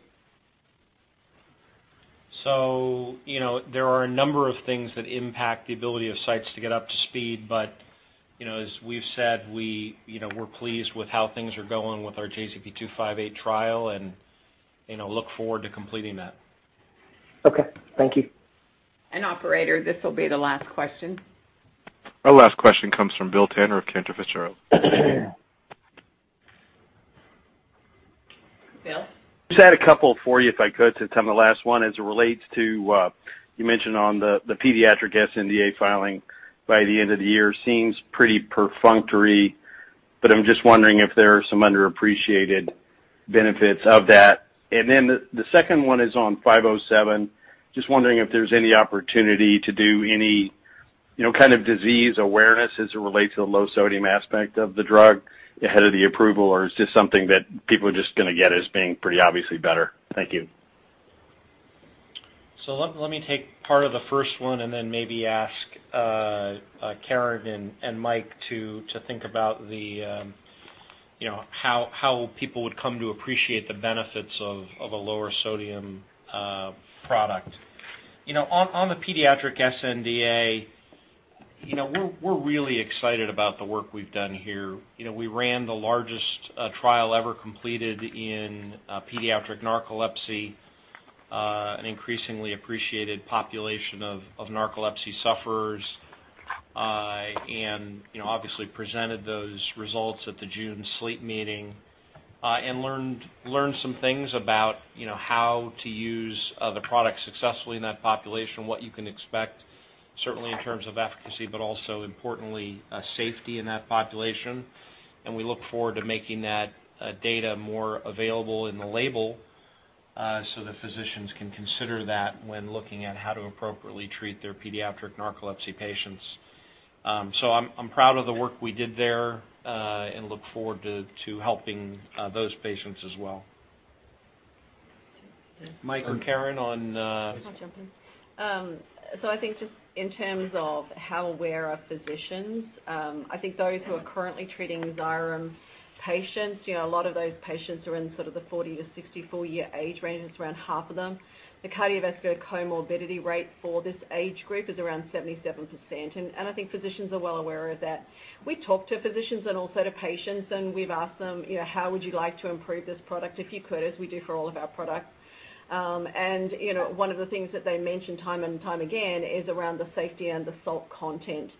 You know, there are a number of things that impact the ability of sites to get up to speed. You know, as we've said, we, you know, we're pleased with how things are going with our JZP-258 trial and, you know, look forward to completing that. Okay. Thank you. Operator, this will be the last question. Our last question comes from Bill Tanner of Cantor Fitzgerald. Bill? Just had a couple for you, if I could, since I'm the last one. As it relates to, you mentioned on the pediatric sNDA filing by the end of the year. Seems pretty perfunctory, but I'm just wondering if there are some underappreciated benefits of that. The second one is on JZP-507. Just wondering if there's any opportunity to do any, you know, kind of disease awareness as it relates to the low-sodium aspect of the drug ahead of the approval, or is this something that people are just gonna get as being pretty obviously better? Thank you. Let me take part of the first one and then maybe ask Karen and Mike to think about you know how people would come to appreciate the benefits of a lower sodium product. You know on the pediatric sNDA you know we're really excited about the work we've done here. You know we ran the largest trial ever completed in pediatric narcolepsy an increasingly appreciated population of narcolepsy sufferers. You know obviously presented those results at the June SLEEP meeting and learned some things about you know how to use the product successfully in that population, what you can expect. Certainly in terms of efficacy, but also importantly safety in that population. We look forward to making that data more available in the label, so that physicians can consider that when looking at how to appropriately treat their pediatric narcolepsy patients. I'm proud of the work we did there, and look forward to helping those patients as well. Mike or Karen on, I'll jump in. I think just in terms of how aware are physicians, I think those who are currently treating Xyrem patients, you know, a lot of those patients are in sort of the 40-64 year age range, it's around half of them. The cardiovascular comorbidity rate for this age group is around 77%, and I think physicians are well aware of that. We talk to physicians and also to patients, and we've asked them, you know, "How would you like to improve this product if you could?" As we do for all of our products. You know, one of the things that they mention time and time again is around the safety and the salt content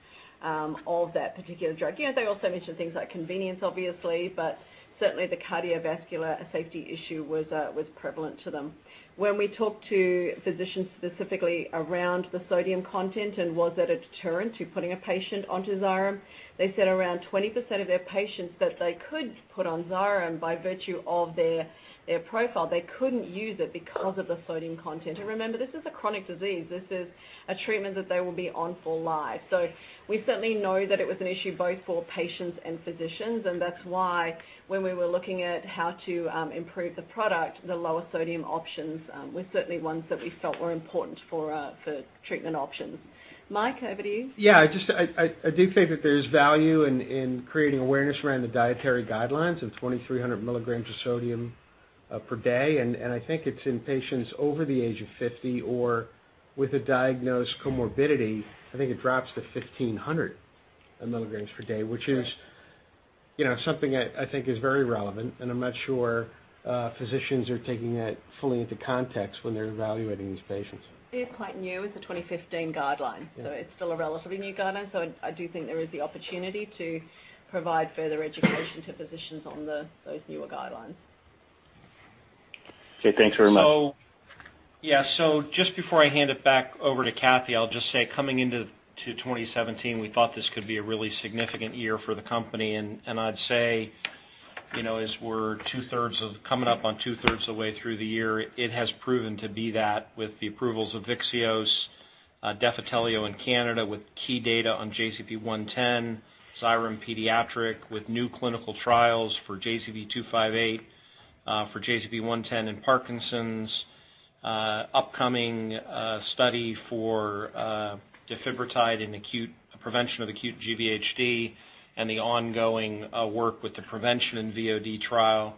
of that particular drug. You know, they also mention things like convenience, obviously, but certainly the cardiovascular safety issue was prevalent to them. When we talk to physicians specifically around the sodium content and was it a deterrent to putting a patient onto Xyrem, they said around 20% of their patients that they could put on Xyrem by virtue of their profile, they couldn't use it because of the sodium content. Remember, this is a chronic disease, this is a treatment that they will be on for life. We certainly know that it was an issue both for patients and physicians, and that's why when we were looking at how to improve the product, the lower sodium options were certainly ones that we felt were important for treatment options. Mike, over to you. Yeah. I do think that there's value in creating awareness around the dietary guidelines of 2,300 mg of sodium per day. I think it's in patients over the age of 50 or with a diagnosed comorbidity. I think it drops to 1,500 mg per day, which is- Right. You know, something I think is very relevant, and I'm not sure physicians are taking that fully into context when they're evaluating these patients. It is quite new. It's a 2015 guideline. Yeah. It's still a relatively new guideline, so I do think there is the opportunity to provide further education to physicians on those newer guidelines. Okay. Thanks very much. So- Yeah. Just before I hand it back over to Kathy, I'll just say, coming into 2017, we thought this could be a really significant year for the company. I'd say, you know, as we're coming up on two-thirds of the way through the year, it has proven to be that with the approvals of VYXEOS, Defitelio in Canada with key data on JZP-110, Xyrem pediatric with new clinical trials for JZP-258, for JZP-110 in Parkinson's, upcoming study for defibrotide in acute prevention of acute GVHD, and the ongoing work with the prevention in VOD trial.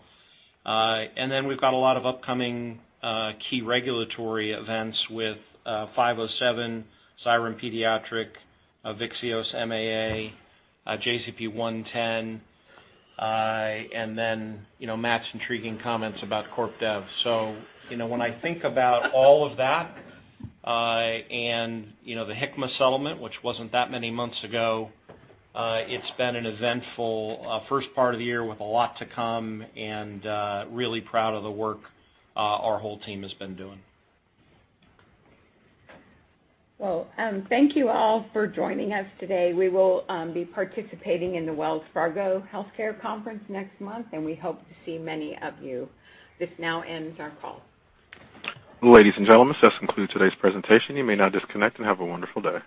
Then we've got a lot of upcoming key regulatory events with JZP-507, Xyrem pediatric, VYXEOS MAA, JZP-110, and then, you know, Matt's intriguing comments about corp dev. You know, when I think about all of that and you know, the Hikma settlement, which wasn't that many months ago, it's been an eventful first part of the year with a lot to come and really proud of the work our whole team has been doing. Well, thank you all for joining us today. We will be participating in the Wells Fargo Healthcare Conference next month, and we hope to see many of you. This now ends our call. Ladies and gentlemen, this concludes today's presentation. You may now disconnect and have a wonderful day.